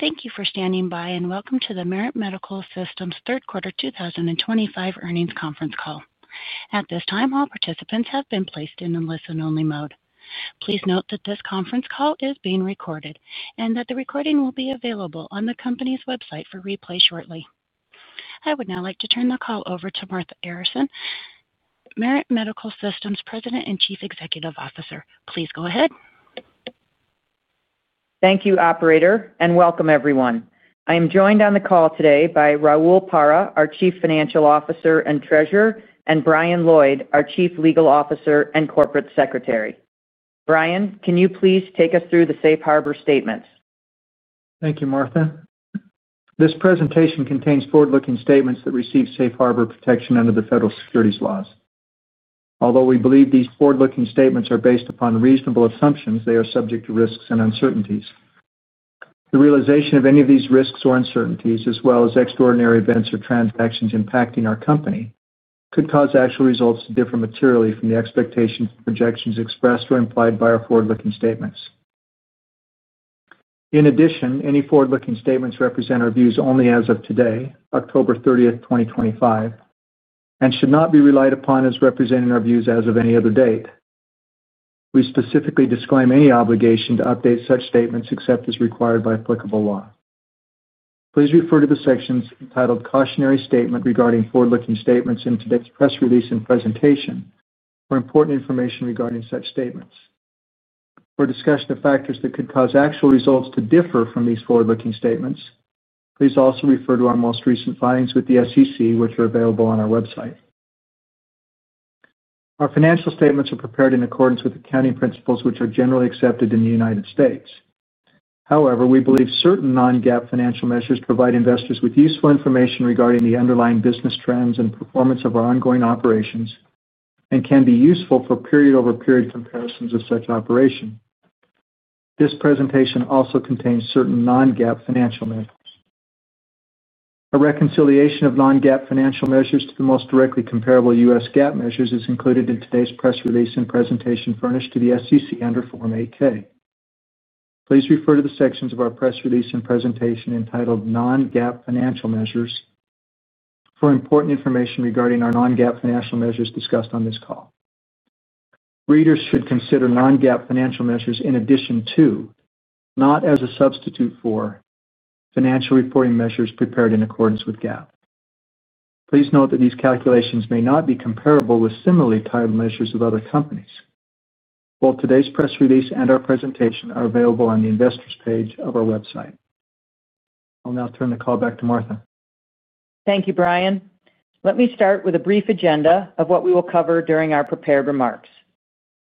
Thank you for standing by and welcome to the Merit Medical Systems Third Quarter 2025 earnings conference call. At this time, all participants have been placed in the listen-only mode. Please note that this conference call is being recorded and that the recording will be available on the company's website for replay shortly. I would now like to turn the call over to Martha Aronson, Merit Medical Systems President and Chief Executive Officer. Please go ahead. Thank you, Operator, and welcome everyone. I am joined on the call today by Raul Parra, our Chief Financial Officer and Treasurer, and Brian Lloyd, our Chief Legal Officer and Corporate Secretary. Brian, can you please take us through the Safe Harbor statements? Thank you, Martha. This presentation contains forward-looking statements that receive Safe Harbor protection under the federal securities laws. Although we believe these forward-looking statements are based upon reasonable assumptions, they are subject to risks and uncertainties. The realization of any of these risks or uncertainties, as well as extraordinary events or transactions impacting our company, could cause actual results to differ materially from the expectations and projections expressed or implied by our forward-looking statements. In addition, any forward-looking statements represent our views only as of today, October 30th, 2025, and should not be relied upon as representing our views as of any other date. We specifically disclaim any obligation to update such statements except as required by applicable law. Please refer to the sections entitled "Cautionary Statement Regarding Forward-Looking Statements" in today's press release and presentation for important information regarding such statements. For discussion of factors that could cause actual results to differ from these forward-looking statements, please also refer to our most recent filings with the SEC, which are available on our website. Our financial statements are prepared in accordance with accounting principles, which are generally accepted in the United States. However, we believe certain non-GAAP financial measures provide investors with useful information regarding the underlying business trends and performance of our ongoing operations and can be useful for period-over-period comparisons of such operations. This presentation also contains certain non-GAAP financial measures. A reconciliation of non-GAAP financial measures to the most directly comparable U.S. GAAP measures is included in today's press release and presentation furnished to the SEC under Form 8-K. Please refer to the sections of our press release and presentation entitled "Non-GAAP Financial Measures" for important information regarding our non-GAAP financial measures discussed on this call. Readers should consider Non-GAAP financial measures in addition to, not as a substitute for, financial reporting measures prepared in accordance with GAAP. Please note that these calculations may not be comparable with similarly titled measures of other companies. Both today's press release and our presentation are available on the investors' page of our website. I'll now turn the call back to Martha. Thank you, Brian. Let me start with a brief agenda of what we will cover during our prepared remarks.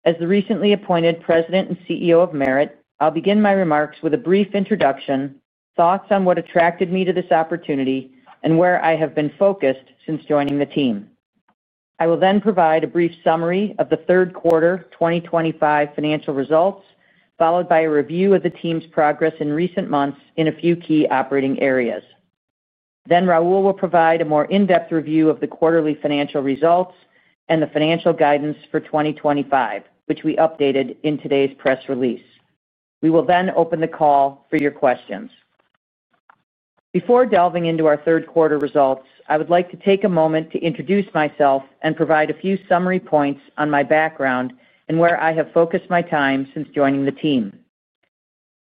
As the recently appointed President and CEO of Merit Medical Systems, I'll begin my remarks with a brief introduction, thoughts on what attracted me to this opportunity, and where I have been focused since joining the team. I will then provide a brief summary of the third quarter 2025 financial results, followed by a review of the team's progress in recent months in a few key operating areas. Raul will provide a more in-depth review of the quarterly financial results and the financial guidance for 2025, which we updated in today's press release. We will then open the call for your questions. Before delving into our third quarter results, I would like to take a moment to introduce myself and provide a few summary points on my background and where I have focused my time since joining the team.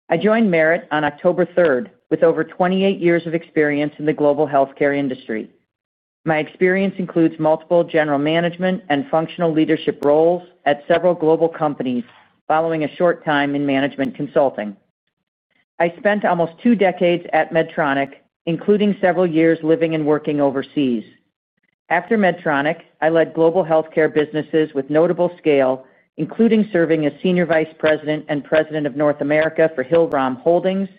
I joined Merit on October 3rd with over 28 years of experience in the global healthcare industry. My experience includes multiple general management and functional leadership roles at several global companies, following a short time in management consulting. I spent almost two decades at Medtronic, including several years living and working overseas. After Medtronic, I led global healthcare businesses with notable scale, including serving as Senior Vice President and President of North America for Hillrom Holdings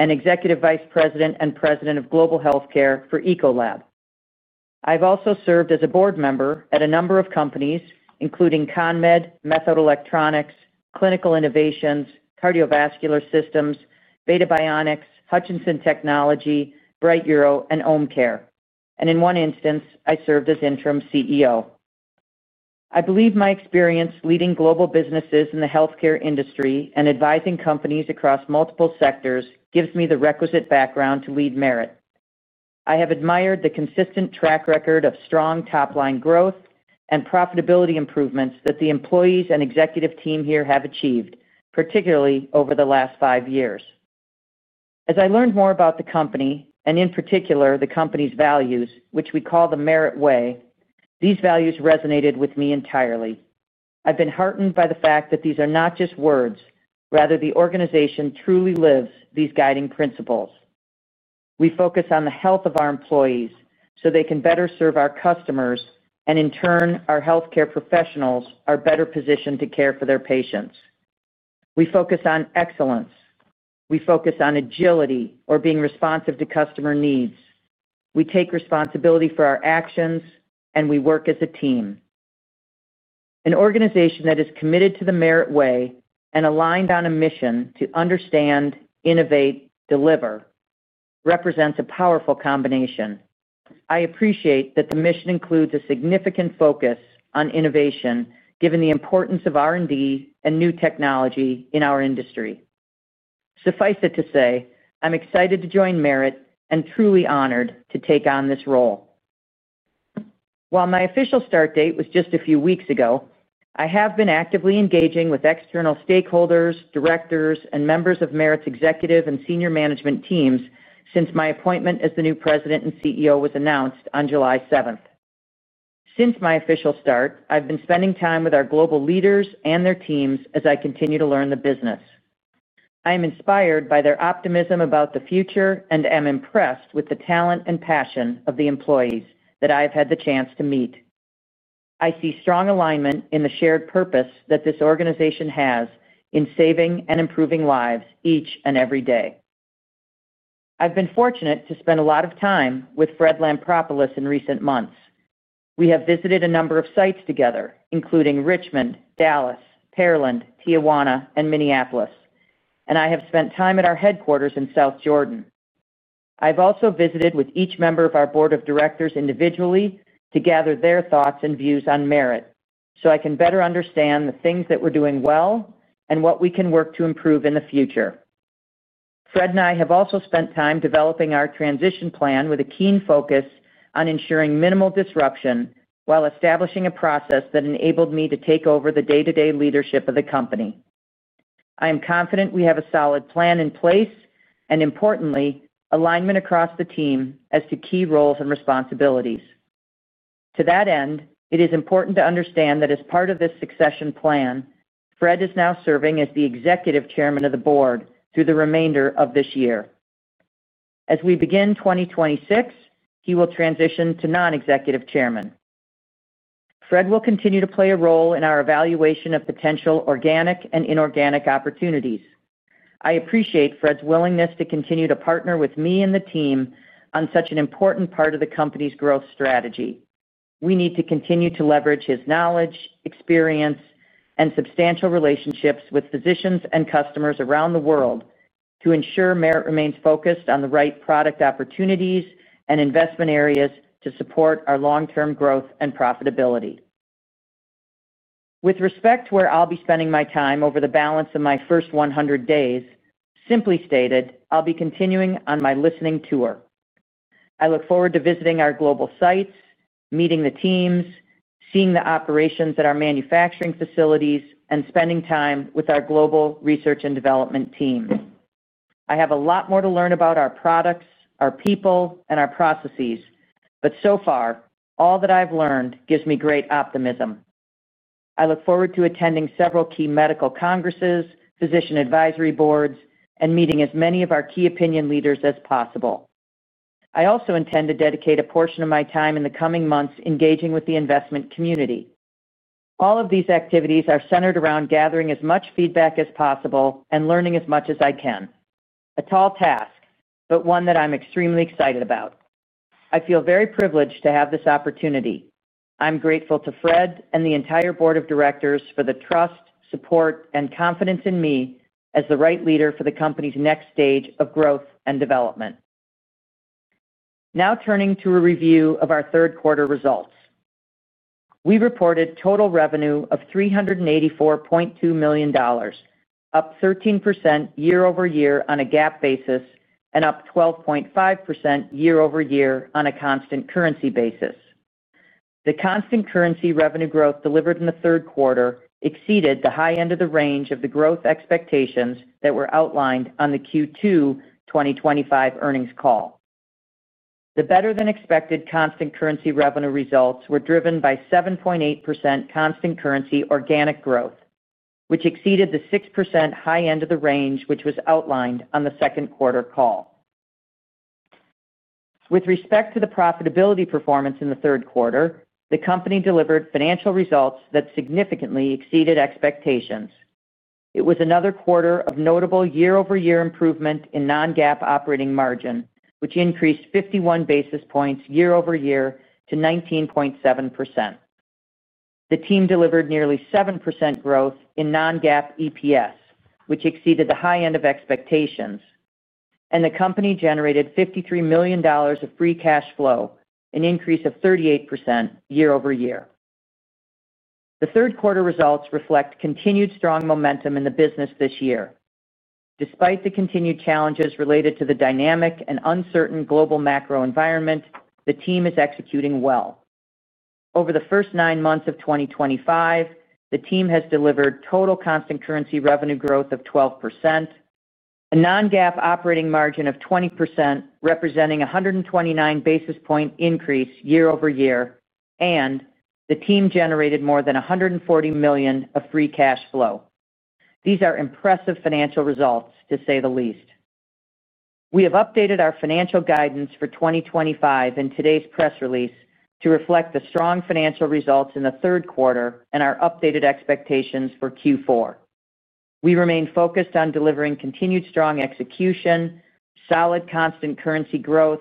and Executive Vice President and President of Global Healthcare for Ecolab. I've also served as a board member at a number of companies, including CONMED, Methode Electronics, Clinical Innovations, Cardiovascular Systems, Beta Bionics, Hutchinson Technology, Bright Uro, and Ōmcare. In one instance, I served as interim CEO. I believe my experience leading global businesses in the healthcare industry and advising companies across multiple sectors gives me the requisite background to lead Merit. I have admired the consistent track record of strong top-line growth and profitability improvements that the employees and executive team here have achieved, particularly over the last five years. As I learned more about the company, and in particular the company's values, which we call the Merit Way, these values resonated with me entirely. I've been heartened by the fact that these are not just words; rather, the organization truly lives these guiding principles. We focus on the health of our employees so they can better serve our customers, and in turn, our healthcare professionals are better positioned to care for their patients. We focus on excellence. We focus on agility or being responsive to customer needs. We take responsibility for our actions, and we work as a team. An organization that is committed to the Merit Way and aligned on a mission to understand, innovate, deliver represents a powerful combination. I appreciate that the mission includes a significant focus on innovation, given the importance of R&D and new technology in our industry. Suffice it to say, I'm excited to join Merit and truly honored to take on this role. While my official start date was just a few weeks ago, I have been actively engaging with external stakeholders, directors, and members of Merit's executive and senior management teams since my appointment as the new President and CEO was announced on July 7. Since my official start, I've been spending time with our global leaders and their teams as I continue to learn the business. I am inspired by their optimism about the future and am impressed with the talent and passion of the employees that I have had the chance to meet. I see strong alignment in the shared purpose that this organization has in saving and improving lives each and every day. I've been fortunate to spend a lot of time with Fred Lampropoulos in recent months. We have visited a number of sites together, including Richmond, Dallas, Pearland, Tijuana, and Minneapolis, and I have spent time at our headquarters in South Jordan. I've also visited with each member of our board of directors individually to gather their thoughts and views on Merit so I can better understand the things that we're doing well and what we can work to improve in the future. Fred and I have also spent time developing our transition plan with a keen focus on ensuring minimal disruption while establishing a process that enabled me to take over the day-to-day leadership of the company. I am confident we have a solid plan in place and, importantly, alignment across the team as to key roles and responsibilities. To that end, it is important to understand that as part of this succession plan, Fred is now serving as the Executive Chairman of the board through the remainder of this year. As we begin 2026, he will transition to Non-Executive Chairman. Fred will continue to play a role in our evaluation of potential organic and inorganic opportunities. I appreciate Fred's willingness to continue to partner with me and the team on such an important part of the company's growth strategy. We need to continue to leverage his knowledge, experience, and substantial relationships with physicians and customers around the world to ensure Merit remains focused on the right product opportunities and investment areas to support our long-term growth and profitability. With respect to where I'll be spending my time over the balance of my first 100 days, simply stated, I'll be continuing on my listening tour. I look forward to visiting our global sites, meeting the teams, seeing the operations at our manufacturing facilities, and spending time with our global research and development team. I have a lot more to learn about our products, our people, and our processes, but so far, all that I've learned gives me great optimism. I look forward to attending several key medical congresses, physician advisory boards, and meeting as many of our key opinion leaders as possible. I also intend to dedicate a portion of my time in the coming months engaging with the investment community. All of these activities are centered around gathering as much feedback as possible and learning as much as I can. A tall task, but one that I'm extremely excited about. I feel very privileged to have this opportunity. I'm grateful to Fred and the entire board of directors for the trust, support, and confidence in me as the right leader for the company's next stage of growth and development. Now turning to a review of our third quarter results. We reported total revenue of $384.2 million, up 13% year-over-year on a GAAP basis and up 12.5% year-over-year on a constant currency basis. The constant currency revenue growth delivered in the third quarter exceeded the high end of the range of the growth expectations that were outlined on the Q2 2025 earnings call. The better-than-expected constant currency revenue results were driven by 7.8% constant currency organic growth, which exceeded the 6% high end of the range which was outlined on the second quarter call. With respect to the profitability performance in the third quarter, the company delivered financial results that significantly exceeded expectations. It was another quarter of notable year-over-year improvement in non-GAAP operating margin, which increased 51 basis points year-over-year to 19.7%. The team delivered nearly 7% growth in non-GAAP EPS, which exceeded the high end of expectations, and the company generated $53 million of free cash flow, an increase of 38% year-over-year. The third quarter results reflect continued strong momentum in the business this year. Despite the continued challenges related to the dynamic and uncertain global macro environment, the team is executing well. Over the first nine months of 2025, the team has delivered total constant currency revenue growth of 12%, a non-GAAP operating margin of 20% representing a 129 basis point increase year-over-year, and the team generated more than $140 million of free cash flow. These are impressive financial results, to say the least. We have updated our financial guidance for 2025 in today's press release to reflect the strong financial results in the third quarter and our updated expectations for Q4. We remain focused on delivering continued strong execution, solid constant currency growth,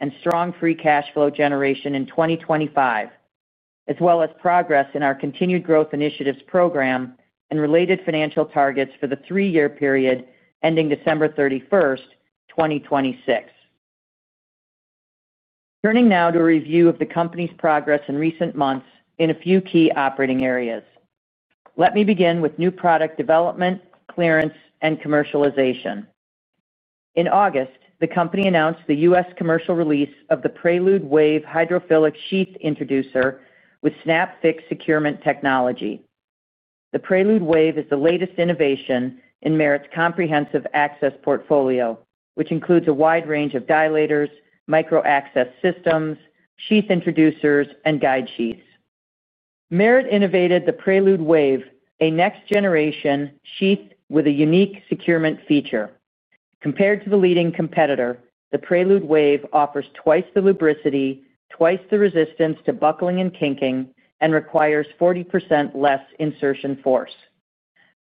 and strong free cash flow generation in 2025, as well as progress in our continued growth initiatives program and related financial targets for the three-year period ending December 31st, 2026. Turning now to a review of the company's progress in recent months in a few key operating areas. Let me begin with new product development, clearance, and commercialization. In August, the company announced the U.S. commercial release of the Prelude Wave Hydrophilic Sheath Introducer with SnapFix Securement Technology. The Prelude Wave is the latest innovation in Merit's comprehensive access portfolio, which includes a wide range of dilators, micro-access systems, sheath introducers, and guide sheaths. Merit innovated the Prelude Wave, a next-generation sheath with a unique securement feature. Compared to the leading competitor, the Prelude Wave offers twice the lubricity, twice the resistance to buckling and kinking, and requires 40% less insertion force.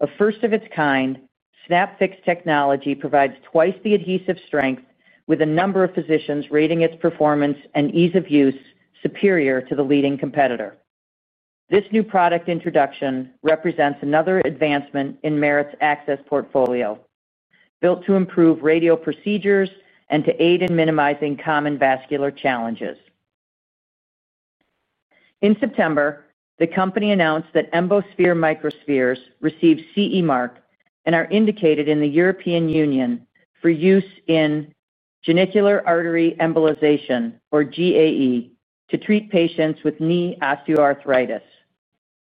A first of its kind, SnapFix Technology provides twice the adhesive strength, with a number of physicians rating its performance and ease of use superior to the leading competitor. This new product introduction represents another advancement in Merit's access portfolio, built to improve radial procedures and to aid in minimizing common vascular challenges. In September, the company announced that Embosphere Microspheres received CE mark and are indicated in the European Union for use in genicular artery embolization, or GAE, to treat patients with knee osteoarthritis.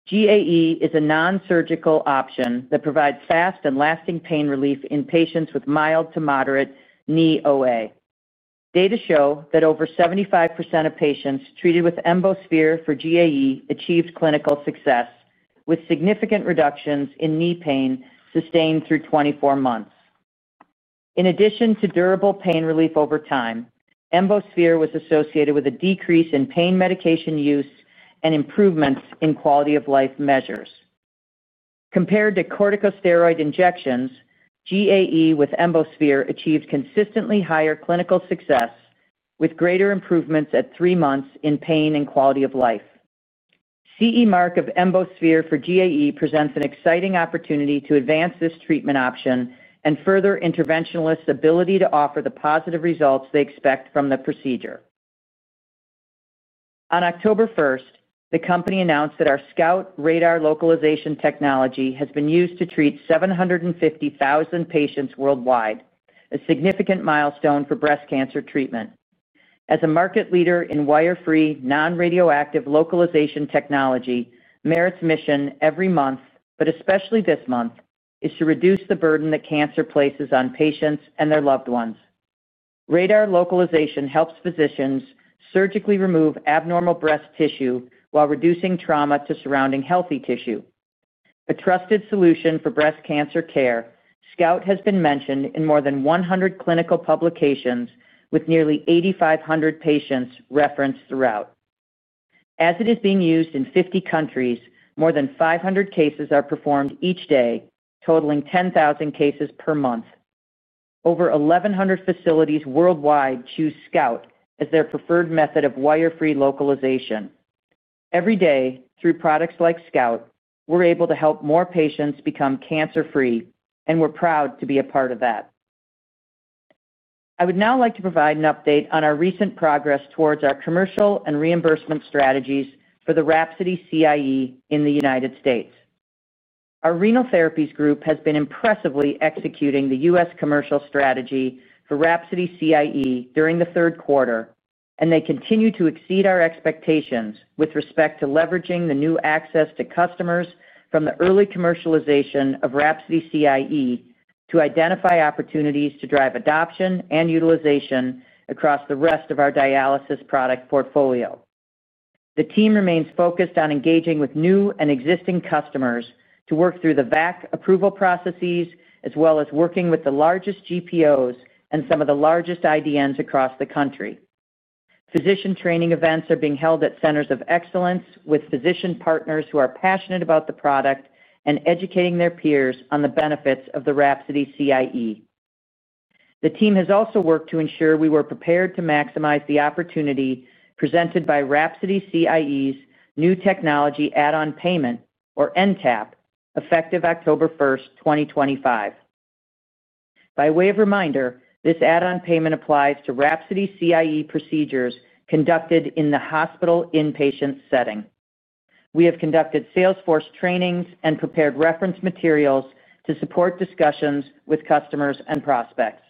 GAE is a non-surgical option that provides fast and lasting pain relief in patients with mild to moderate knee OA. Data show that over 75% of patients treated with Embosphere for GAE achieved clinical success, with significant reductions in knee pain sustained through 24 months. In addition to durable pain relief over time, Embosphere was associated with a decrease in pain medication use and improvements in quality of life measures. Compared to corticosteroid injections, GAE with Embosphere achieved consistently higher clinical success, with greater improvements at three months in pain and quality of life. CE mark of Embosphere for GAE presents an exciting opportunity to advance this treatment option and further interventionalists' ability to offer the positive results they expect from the procedure. On October 1st, the company announced that our SCOUT Radar Localization technology has been used to treat 750,000 patients worldwide, a significant milestone for breast cancer treatment. As a market leader in wire-free, non-radioactive localization technology, Merit's mission every month, but especially this month, is to reduce the burden that cancer places on patients and their loved ones. Radar localization helps physicians surgically remove abnormal breast tissue while reducing trauma to surrounding healthy tissue. A trusted solution for breast cancer care, SCOUT has been mentioned in more than 100 clinical publications, with nearly 8,500 patients referenced throughout. As it is being used in 50 countries, more than 500 cases are performed each day, totaling 10,000 cases per month. Over 1,100 facilities worldwide choose SCOUT as their preferred method of wire-free localization. Every day, through products like SCOUT, we're able to help more patients become cancer-free, and we're proud to be a part of that. I would now like to provide an update on our recent progress towards our commercial and reimbursement strategies for the WRAPSODY CIE in the U.S. Our Renal Therapies Group has been impressively executing the U.S. commercial strategy for WRAPSODY CIE during the third quarter, and they continue to exceed our expectations with respect to leveraging the new access to customers from the early commercialization of WRAPSODY CIE to identify opportunities to drive adoption and utilization across the rest of our dialysis product portfolio. The team remains focused on engaging with new and existing customers to work through the VAC approval processes, as well as working with the largest GPOs and some of the largest IDNs across the country. Physician training events are being held at centers of excellence with physician partners who are passionate about the product and educating their peers on the benefits of the WRAPSODY CIE. The team has also worked to ensure we were prepared to maximize the opportunity presented by WRAPSODY CIE's new technology add-on payment, or NTAP, effective October 1st, 2025. By way of reminder, this add-on payment applies to WRAPSODY CIE procedures conducted in the hospital inpatient setting. We have conducted Salesforce trainings and prepared reference materials to support discussions with customers and prospects.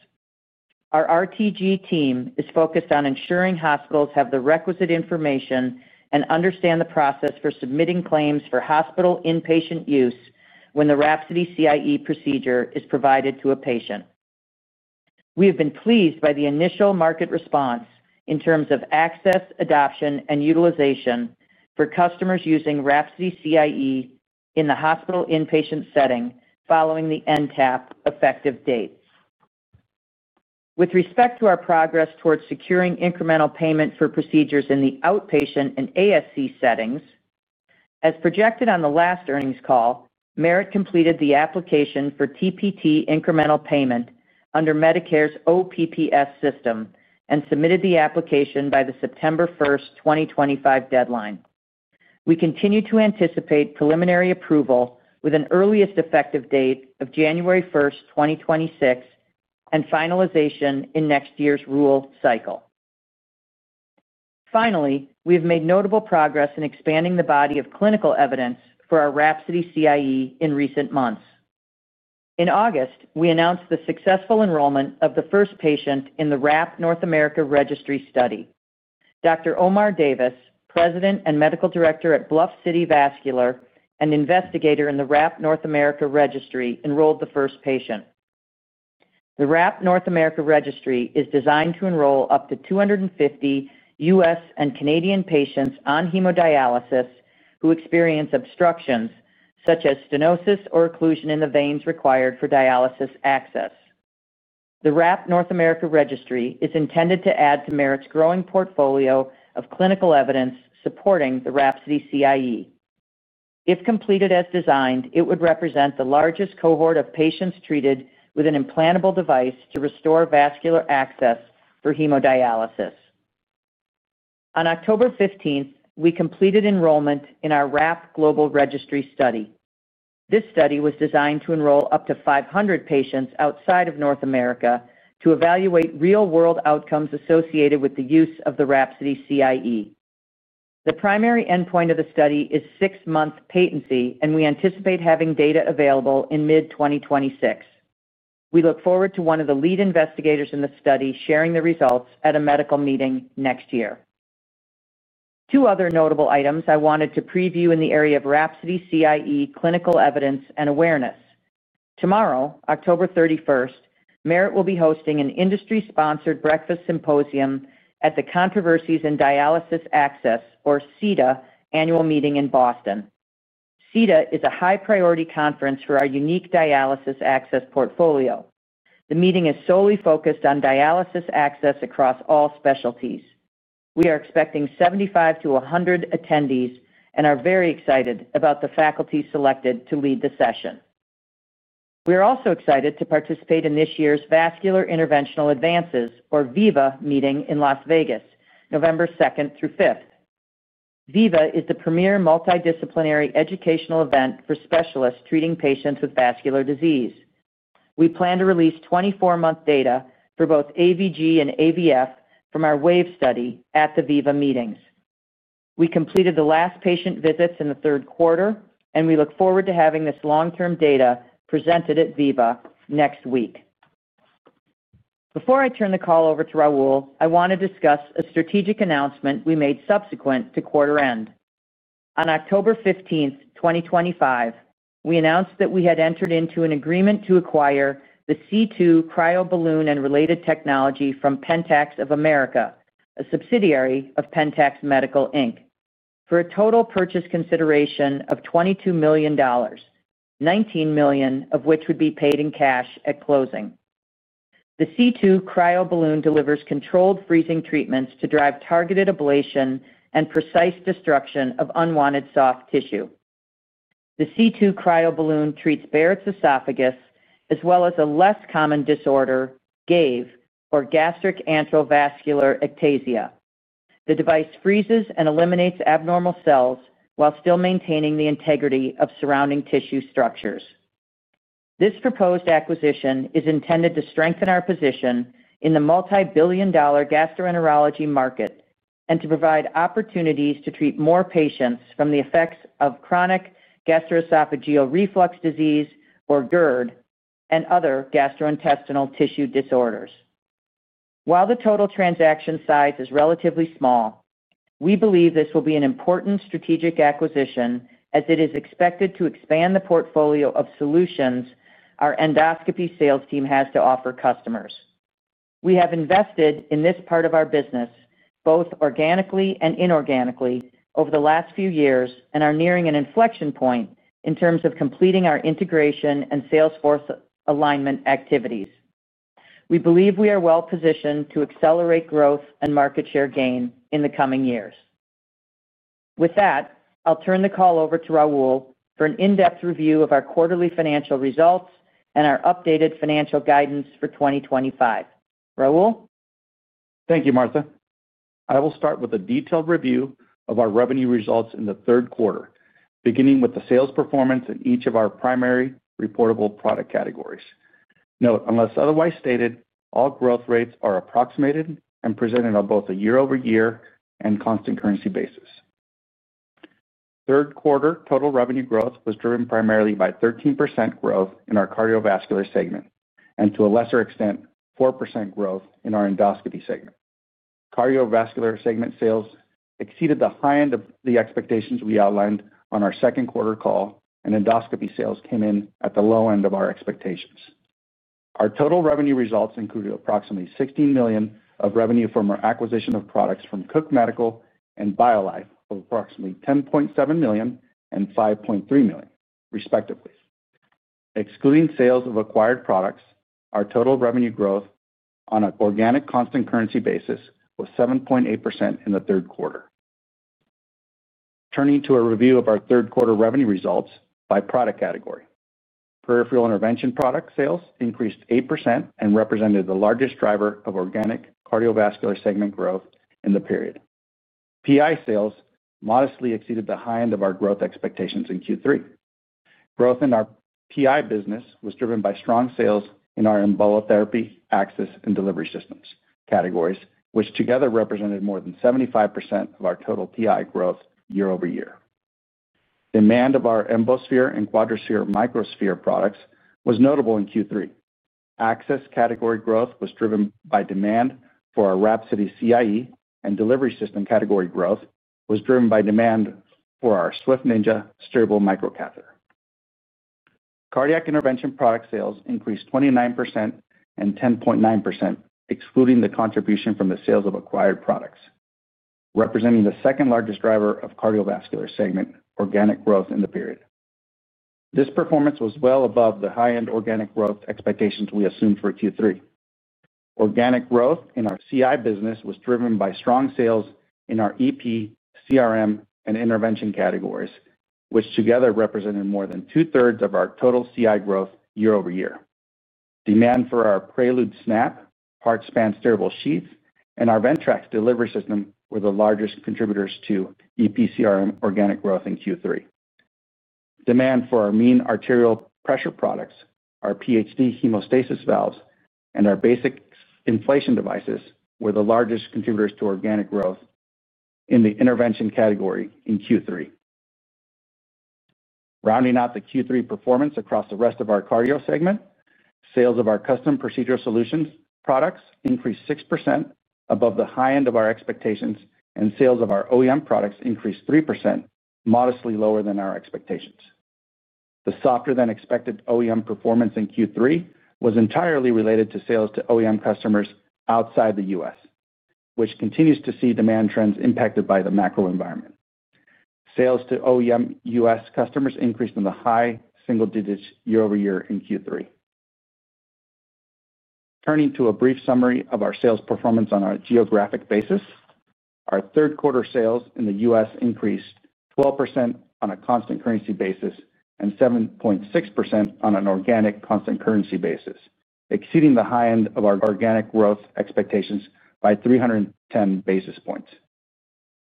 Our RTG team is focused on ensuring hospitals have the requisite information and understand the process for submitting claims for hospital inpatient use when the WRAPSODY CIE procedure is provided to a patient. We have been pleased by the initial market response in terms of access, adoption, and utilization for customers using WRAPSODY CIE in the hospital inpatient setting following the NTAP effective date. With respect to our progress towards securing incremental payment for procedures in the outpatient and ASC settings, as projected on the last earnings call, Merit completed the application for TPT incremental payment under Medicare's OPPS system and submitted the application by the September 1st, 2025 deadline. We continue to anticipate preliminary approval with an earliest effective date of January 1st, 2026, and finalization in next year's rule cycle. Finally, we have made notable progress in expanding the body of clinical evidence for our WRAPSODY CIE in recent months. In August, we announced the successful enrollment of the first patient in the WRAP North America Registry study. Dr. Omar Davis, President and Medical Director at Bluff City Vascular and investigator in the WRAP North America Registry, enrolled the first patient. The WRAP North America Registry is designed to enroll up to 250 U.S. and Canadian patients on hemodialysis who experience obstructions such as stenosis or occlusion in the veins required for dialysis access. The WRAP North America Registry is intended to add to Merit's growing portfolio of clinical evidence supporting the WRAPSODY CIE. If completed as designed, it would represent the largest cohort of patients treated with an implantable device to restore vascular access for hemodialysis. On October 15th, we completed enrollment in our WRAP Global Registry study. This study was designed to enroll up to 500 patients outside of North America to evaluate real-world outcomes associated with the use of the WRAPSODY CIE. The primary endpoint of the study is six-month patency, and we anticipate having data available in mid-2026. We look forward to one of the lead investigators in the study sharing the results at a medical meeting next year. Two other notable items I wanted to preview in the area of WRAPSODY CIE clinical evidence and awareness. Tomorrow, October 31st, Merit will be hosting an industry-sponsored breakfast symposium at the Controversies in Dialysis Access, or CDA, annual meeting in Boston. CDA is a high-priority conference for our unique dialysis access portfolio. The meeting is solely focused on dialysis access across all specialties. We are expecting 75-100 attendees and are very excited about the faculty selected to lead the session. We are also excited to participate in this year's Vascular Interventional Advances, or VIVA, meeting in Las Vegas, November 2nd through 5th. VIVA is the premier multidisciplinary educational event for specialists treating patients with vascular disease. We plan to release 24-month data for both AVG and AVF from our WAVE study at the VIVA meetings. We completed the last patient visits in the third quarter, and we look forward to having this long-term data presented at VIVA next week. Before I turn the call over to Raul, I want to discuss a strategic announcement we made subsequent to quarter-end. On October 15th, 2025, we announced that we had entered into an agreement to acquire the C2 CryoBalloon and related technology from Pentax of America, a subsidiary of Pentax Medical Inc, for a total purchase consideration of $22 million, $19 million of which would be paid in cash at closing. The C2 CryoBalloon delivers controlled freezing treatments to drive targeted ablation and precise destruction of unwanted soft tissue. The C2 CryoBalloon treats Barrett's esophagus, as well as a less common disorder, GAVE, or gastric antral vascular ectasia. The device freezes and eliminates abnormal cells while still maintaining the integrity of surrounding tissue structures. This proposed acquisition is intended to strengthen our position in the multi-billion-dollar gastroenterology market and to provide opportunities to treat more patients from the effects of chronic gastroesophageal reflux disease, or GERD, and other gastrointestinal tissue disorders. While the total transaction size is relatively small, we believe this will be an important strategic acquisition as it is expected to expand the portfolio of solutions our endoscopy sales team has to offer customers. We have invested in this part of our business both organically and inorganically over the last few years and are nearing an inflection point in terms of completing our integration and Salesforce alignment activities. We believe we are well-positioned to accelerate growth and market share gain in the coming years. With that, I'll turn the call over to Raul for an in-depth review of our quarterly financial results and our updated financial guidance for 2025. Raul? Thank you, Martha. I will start with a detailed review of our revenue results in the third quarter, beginning with the sales performance in each of our primary reportable product categories. Note, unless otherwise stated, all growth rates are approximated and presented on both a year-over-year and constant currency basis. Third quarter total revenue growth was driven primarily by 13% growth in our cardiovascular segment and, to a lesser extent, 4% growth in our endoscopy segment. Cardiovascular segment sales exceeded the high end of the expectations we outlined on our second quarter call, and endoscopy sales came in at the low end of our expectations. Our total revenue results included approximately $16 million of revenue from our acquisition of products from Cook Medical and Biolife of approximately $10.7 million and $5.3 million, respectively. Excluding sales of acquired products, our total revenue growth on an organic constant currency basis was 7.8% in the third quarter. Turning to a review of our third quarter revenue results by product category, peripheral intervention product sales increased 8% and represented the largest driver of organic cardiovascular segment growth in the period. PI sales modestly exceeded the high end of our growth expectations in Q3. Growth in our PI business was driven by strong sales in our embolotherapy access and delivery systems categories, which together represented more than 75% of our total PI growth year-over-year. Demand of our Embosphere and QuadraSphere Microspheres products was notable in Q3. Access category growth was driven by demand for our WRAPSODY CIE, and delivery system category growth was driven by demand for our SwiftNINJA Steerable Microcatheter. Cardiac intervention product sales increased 29% and 10.9%, excluding the contribution from the sales of acquired products, representing the second-largest driver of cardiovascular segment organic growth in the period. This performance was well above the high-end organic growth expectations we assumed for Q3. Organic growth in our CI business was driven by strong sales in our EP, CRM, and intervention categories, which together represented more than 2/ of our total CI growth year-over-year. Demand for our Prelude SNAP, HearthSpan Steerable Sheaths, and our Ventrax Delivery System were the largest contributors to EP, CRM, organic growth in Q3. Demand for our mean arterial pressure products, our PHD hemostasis valves, and our basix inflation devices were the largest contributors to organic growth in the intervention category in Q3. Rounding out the Q3 performance across the rest of our cardio segment, sales of our custom procedural solutions products increased 6% above the high end of our expectations, and sales of our OEM products increased 3%, modestly lower than our expectations. The softer-than-expected OEM performance in Q3 was entirely related to sales to OEM customers outside the U.S., which continues to see demand trends impacted by the macro environment. Sales to OEM U.S. customers increased in the high single digits year-over-year in Q3. Turning to a brief summary of our sales performance on a geographic basis, our third quarter sales in the U.S. increased 12% on a constant currency basis and 7.6% on an organic constant currency basis, exceeding the high end of our organic growth expectations by 310 basis points.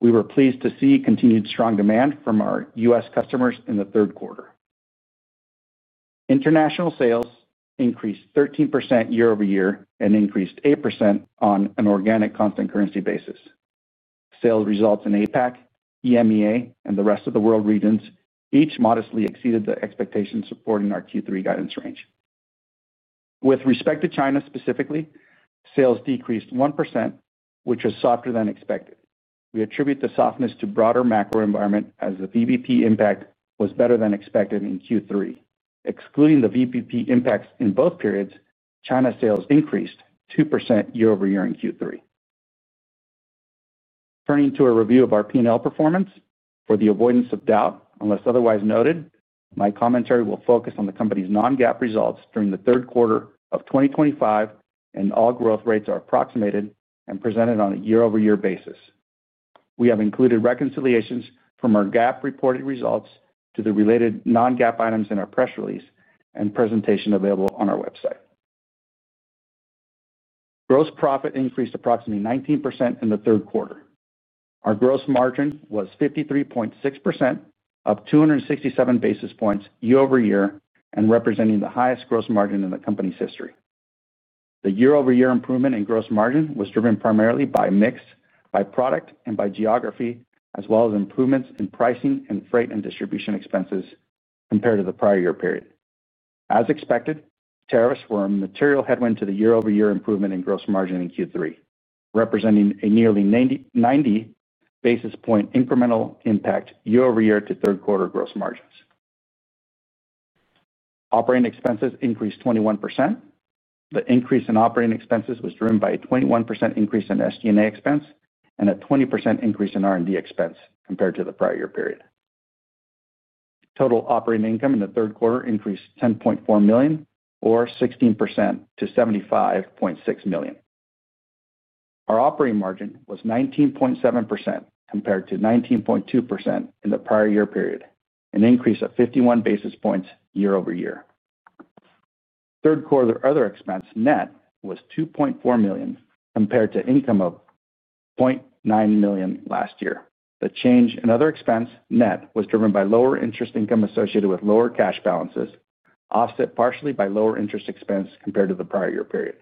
We were pleased to see continued strong demand from our U.S. customers in the third quarter. International sales increased 13% year-over-year and increased 8% on an organic constant currency basis. Sales results in APAC, EMEA, and the rest of the world regions each modestly exceeded the expectations supporting our Q3 guidance range. With respect to China specifically, sales decreased 1%, which was softer than expected. We attribute the softness to broader macro environment as the VBP impact was better than expected in Q3. Excluding the VBP impacts in both periods, China sales increased 2% year-over-year in Q3. Turning to a review of our P&L performance, for the avoidance of doubt unless otherwise noted, my commentary will focus on the company's non-GAAP results during the third quarter of 2025, and all growth rates are approximated and presented on a year-over-year basis. We have included reconciliations from our GAAP reported results to the related non-GAAP items in our press release and presentation available on our website. Gross profit increased approximately 19% in the third quarter. Our gross margin was 53.6%, up 267 basis points year-over-year and representing the highest gross margin in the company's history. The year-over-year improvement in gross margin was driven primarily by mix, by product, and by geography, as well as improvements in pricing and freight and distribution expenses compared to the prior year period. As expected, tariffs were a material headwind to the year-over-year improvement in gross margin in Q3, representing a nearly 90 basis point incremental impact year-over-year to third quarter gross margins. Operating expenses increased 21%. The increase in operating expenses was driven by a 21% increase in SG&A expense and a 20% increase in R&D expense compared to the prior year period. Total operating income in the third quarter increased $10.4 million, or 16%, to $75.6 million. Our operating margin was 19.7% compared to 19.2% in the prior year period, an increase of 51 basis points year-over-year. Third quarter other expense net was $2.4 million compared to income of $0.9 million last year. The change in other expense net was driven by lower interest income associated with lower cash balances, offset partially by lower interest expense compared to the prior year period.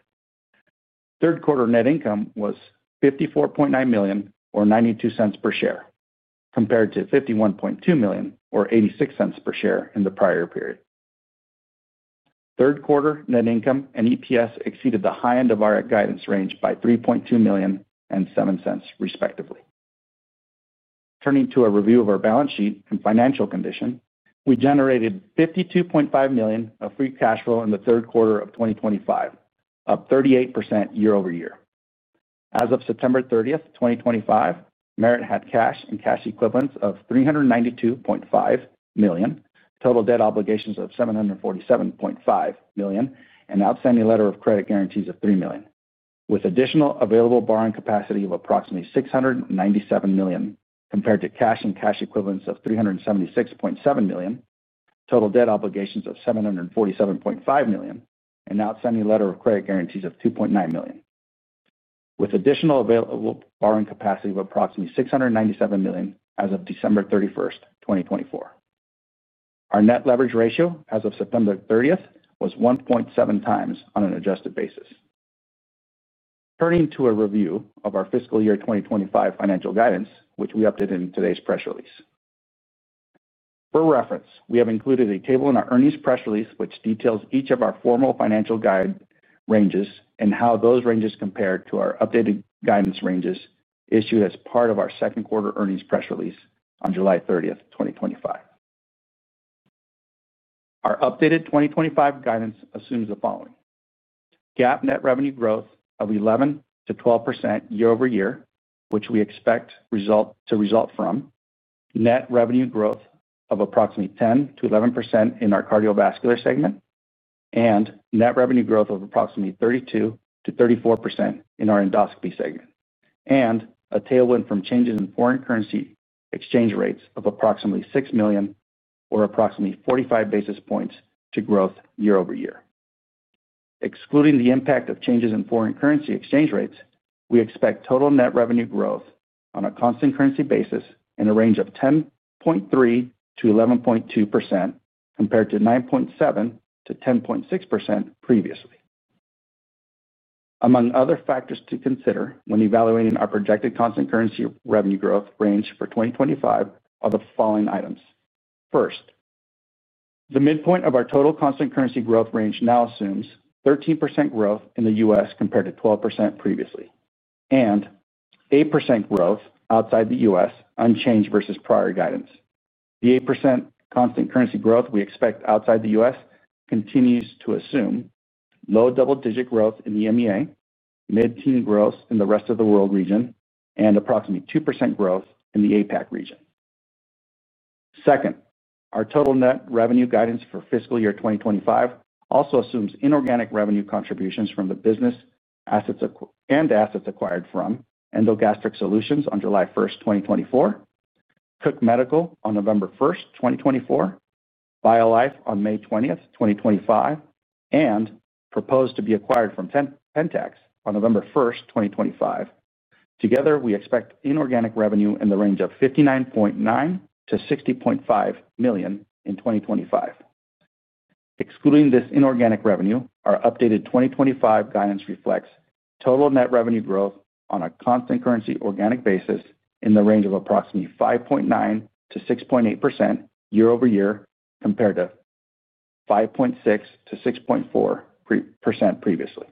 Third quarter net income was $54.9 million, or $0.92 per share, compared to $51.2 million, or $0.86 per share in the prior year period. Third quarter net income and EPS exceeded the high end of our guidance range by $3.2 million and $0.07, respectively. Turning to a review of our balance sheet and financial condition, we generated $52.5 million of free cash flow in the third quarter of 2025, up 38% year-over-year. As of September 30th, 2025, Merit had cash and cash equivalents of $392.5 million, total debt obligations of $747.5 million, and outstanding letter of credit guarantees of $3 million, with additional available borrowing capacity of approximately $697 million, compared to cash and cash equivalents of $376.7 million, total debt obligations of $747.5 million, and outstanding letter of credit guarantees of $2.9 million, with additional available borrowing capacity of approximately $697 million as of December 31st, 2024. Our net leverage ratio as of September 30th was 1.7x on an adjusted basis. Turning to a review of our fiscal year 2025 financial guidance, which we updated in today's press release. For reference, we have included a table in our earnings press release which details each of our formal financial guide ranges and how those ranges compare to our updated guidance ranges issued as part of our second quarter earnings press release on July 30th, 2025. Our updated 2025 guidance assumes the following. GAAP net revenue growth of 11%-12% year-over-year, which we expect to result from net revenue growth of approximately 10%-11% in our cardiovascular segment, and net revenue growth of approximately 32%-34% in our endoscopy segment, and a tailwind from changes in foreign currency exchange rates of approximately $6 million, or approximately 45 basis points, to growth year-over-year. Excluding the impact of changes in foreign currency exchange rates, we expect total net revenue growth on a constant currency basis in a range of 10.3%-11.2% compared to 9.7%-10.6% previously. Among other factors to consider when evaluating our projected constant currency revenue growth range for 2025 are the following items. First, the midpoint of our total constant currency growth range now assumes 13% growth in the U.S. compared to 12% previously, and 8% growth outside the U.S., unchanged versus prior guidance. The 8% constant currency growth we expect outside the U.S. continues to assume low double-digit growth in EMEA, mid-teen growth in the rest of the world region, and approximately 2% growth in the APAC region. Second, our total net revenue guidance for fiscal year 2025 also assumes inorganic revenue contributions from the business assets and assets acquired from EndoGastric Solutions on July 1st, 2024, Cook Medical on November 1st, 2024, Biolife on May 20th, 2025, and proposed to be acquired from Pentax on November 1st, 2025. Together, we expect inorganic revenue in the range of $59.9 million-$60.5 million in 2025. Excluding this inorganic revenue, our updated 2025 guidance reflects total net revenue growth on a constant currency organic basis in the range of approximately 5.9%-6.8% year-over-year compared to 5.6%-6.4% previously.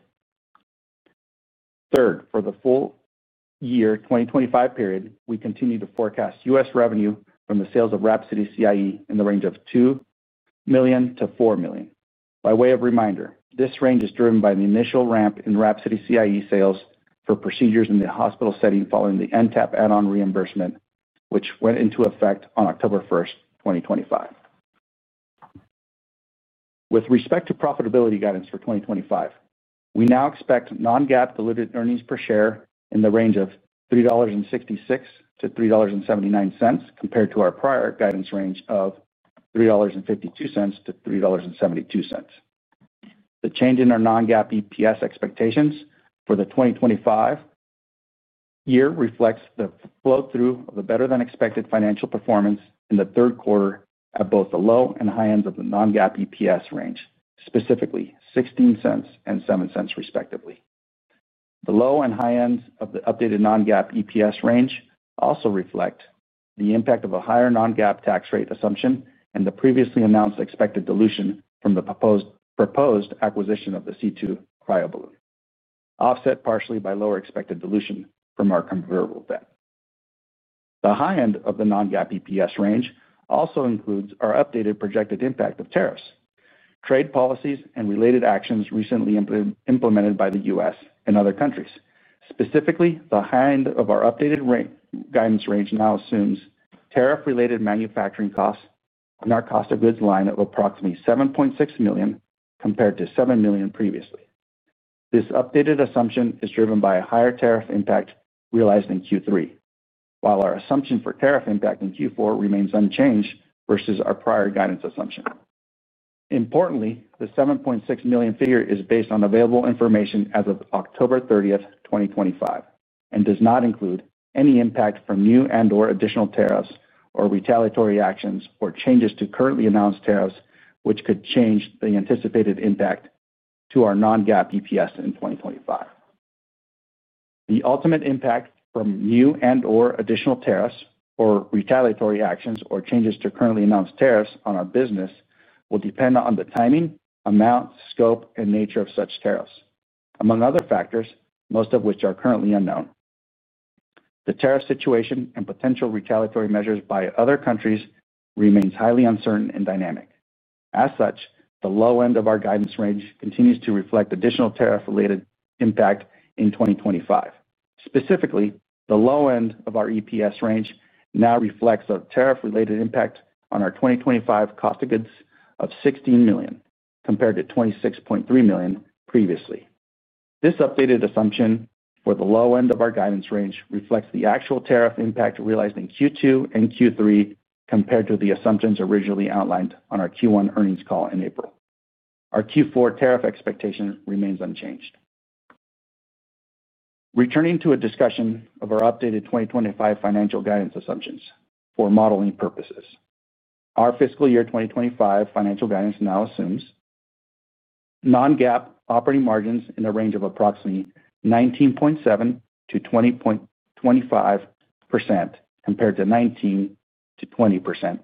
Third, for the full year 2025 period, we continue to forecast U.S. revenue from the sales of WRAPSODY CIE in the range of $2 million-$4 million. By way of reminder, this range is driven by the initial ramp in WRAPSODY CIE sales for procedures in the hospital setting following the NTAP add-on reimbursement, which went into effect on October 1st, 2025. With respect to profitability guidance for 2025, we now expect non-GAAP diluted earnings per share in the range of $3.66-$3.79 compared to our prior guidance range of $3.52-$3.72. The change in our non-GAAP EPS expectations for the 2025 year reflects the flow-through of the better-than-expected financial performance in the third quarter at both the low and high ends of the non-GAAP EPS range, specifically $0.16 and $0.07, respectively. The low and high ends of the updated non-GAAP EPS range also reflect the impact of a higher non-GAAP tax rate assumption and the previously announced expected dilution from the proposed acquisition of the C2 CryoBalloon, offset partially by lower expected dilution from our convertible debt. The high end of the non-GAAP EPS range also includes our updated projected impact of tariffs, trade policies, and related actions recently implemented by the U.S. and other countries. Specifically, the high end of our updated guidance range now assumes tariff-related manufacturing costs in our cost of goods line of approximately $7.6 million compared to $7 million previously. This updated assumption is driven by a higher tariff impact realized in Q3, while our assumption for tariff impact in Q4 remains unchanged versus our prior guidance assumption. Importantly, the $7.6 million figure is based on available information as of October 30th, 2025, and does not include any impact from new and/or additional tariffs or retaliatory actions or changes to currently announced tariffs, which could change the anticipated impact to our non-GAAP EPS in 2025. The ultimate impact from new and/or additional tariffs or retaliatory actions or changes to currently announced tariffs on our business will depend on the timing, amount, scope, and nature of such tariffs, among other factors, most of which are currently unknown. The tariff situation and potential retaliatory measures by other countries remains highly uncertain and dynamic. As such, the low end of our guidance range continues to reflect additional tariff-related impact in 2025. Specifically, the low end of our EPS range now reflects a tariff-related impact on our 2025 cost of goods of $16 million compared to $26.3 million previously. This updated assumption for the low end of our guidance range reflects the actual tariff impact realized in Q2 and Q3 compared to the assumptions originally outlined on our Q1 earnings call in April. Our Q4 tariff expectation remains unchanged. Returning to a discussion of our updated 2025 financial guidance assumptions for modeling purposes, our fiscal year 2025 financial guidance now assumes non-GAAP operating margins in a range of approximately 19.7%-20.25% compared to 19%-20%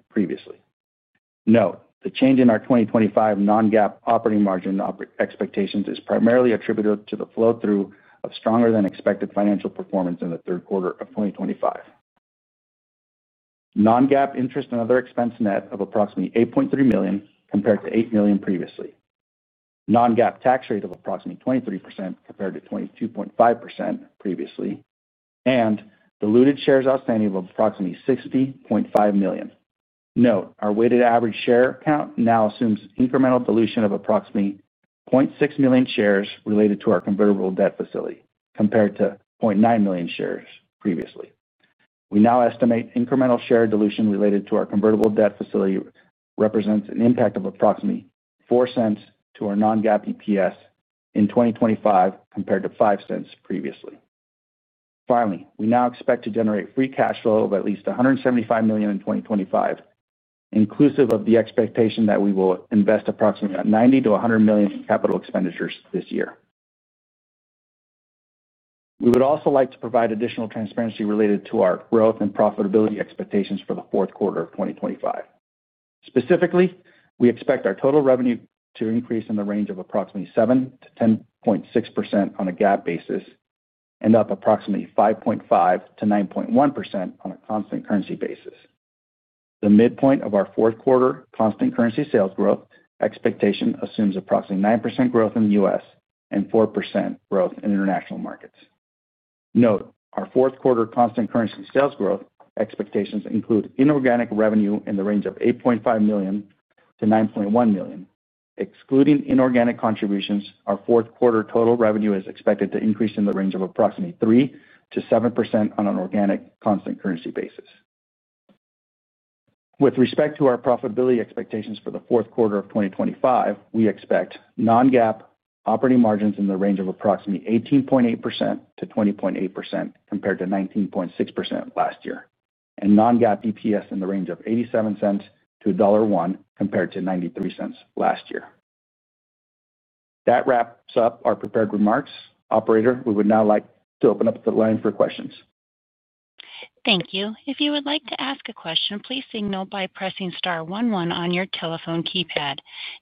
previously. Note, the change in our 2025 non-GAAP operating margin expectations is primarily attributed to the flow-through of stronger-than-expected financial performance in the third quarter of 2025. Non-GAAP interest and other expense net of approximately $8.3 million compared to $8 million previously. Non-GAAP tax rate of approximately 23% compared to 22.5% previously, and diluted shares outstanding of approximately 60.5 million. Note, our weighted average share count now assumes incremental dilution of approximately 0.6 million shares related to our convertible debt facility compared to 0.9 million shares previously. We now estimate incremental share dilution related to our convertible debt facility represents an impact of approximately $0.04 to our non-GAAP EPS in 2025 compared to $0.05 previously. Finally, we now expect to generate free cash flow of at least $175 million in 2025, inclusive of the expectation that we will invest approximately $90 million-$100 million in capital expenditures this year. We would also like to provide additional transparency related to our growth and profitability expectations for the fourth quarter of 2025. Specifically, we expect our total revenue to increase in the range of approximately 7%-10.6% on a GAAP basis and up approximately 5.5%-9.1% on a constant currency basis. The midpoint of our fourth quarter constant currency sales growth expectation assumes approximately 9% growth in the U.S. and 4% growth in international markets. Note, our fourth quarter constant currency sales growth expectations include inorganic revenue in the range of $8.5 million-$9.1 million. Excluding inorganic contributions, our fourth quarter total revenue is expected to increase in the range of approximately 3%-7% on an organic constant currency basis. With respect to our profitability expectations for the fourth quarter of 2025, we expect non-GAAP operating margins in the range of approximately 18.8%-20.8% compared to 19.6% last year, and non-GAAP EPS in the range of $0.87-$1.01 compared to $0.93 last year. That wraps up our prepared remarks. Operator, we would now like to open up the line for questions. Thank you. If you would like to ask a question, please signal by pressing star one one on your telephone keypad.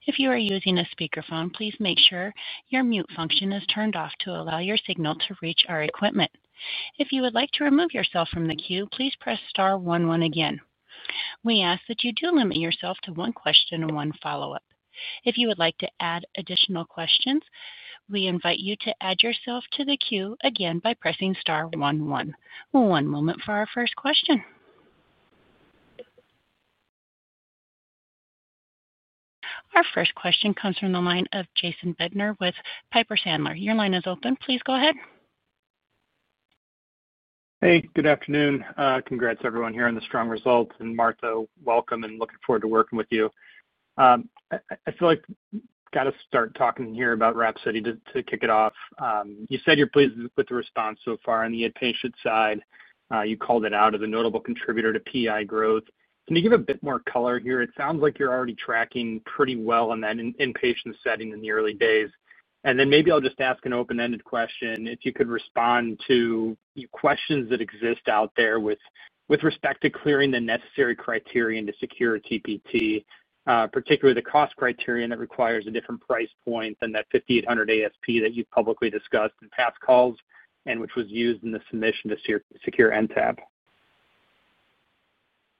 If you are using a speakerphone, please make sure your mute function is turned off to allow your signal to reach our equipment. If you would like to remove yourself from the queue, please press star one one again. We ask that you do limit yourself to one question and one follow-up. If you would like to add additional questions, we invite you to add yourself to the queue again by pressing star one one. One moment for our first question. Our first question comes from the line of Jason Bednar with Piper Sandler. Your line is open. Please go ahead. Hey, good afternoon. Congrats to everyone here on the strong results. And Martha, welcome and looking forward to working with you. I feel like we've got to start talking here about WRAPSODY to kick it off. You said you're pleased with the response so far on the inpatient side. You called it out as a notable contributor to PI growth. Can you give a bit more color here? It sounds like you're already tracking pretty well on that inpatient setting in the early days. Maybe I'll just ask an open-ended question. If you could respond to questions that exist out there with respect to clearing the necessary criteria to secure TPT, particularly the cost criterion that requires a different price point than that $5,800 ASP that you've publicly discussed in past calls and which was used in the submission to secure NTAP.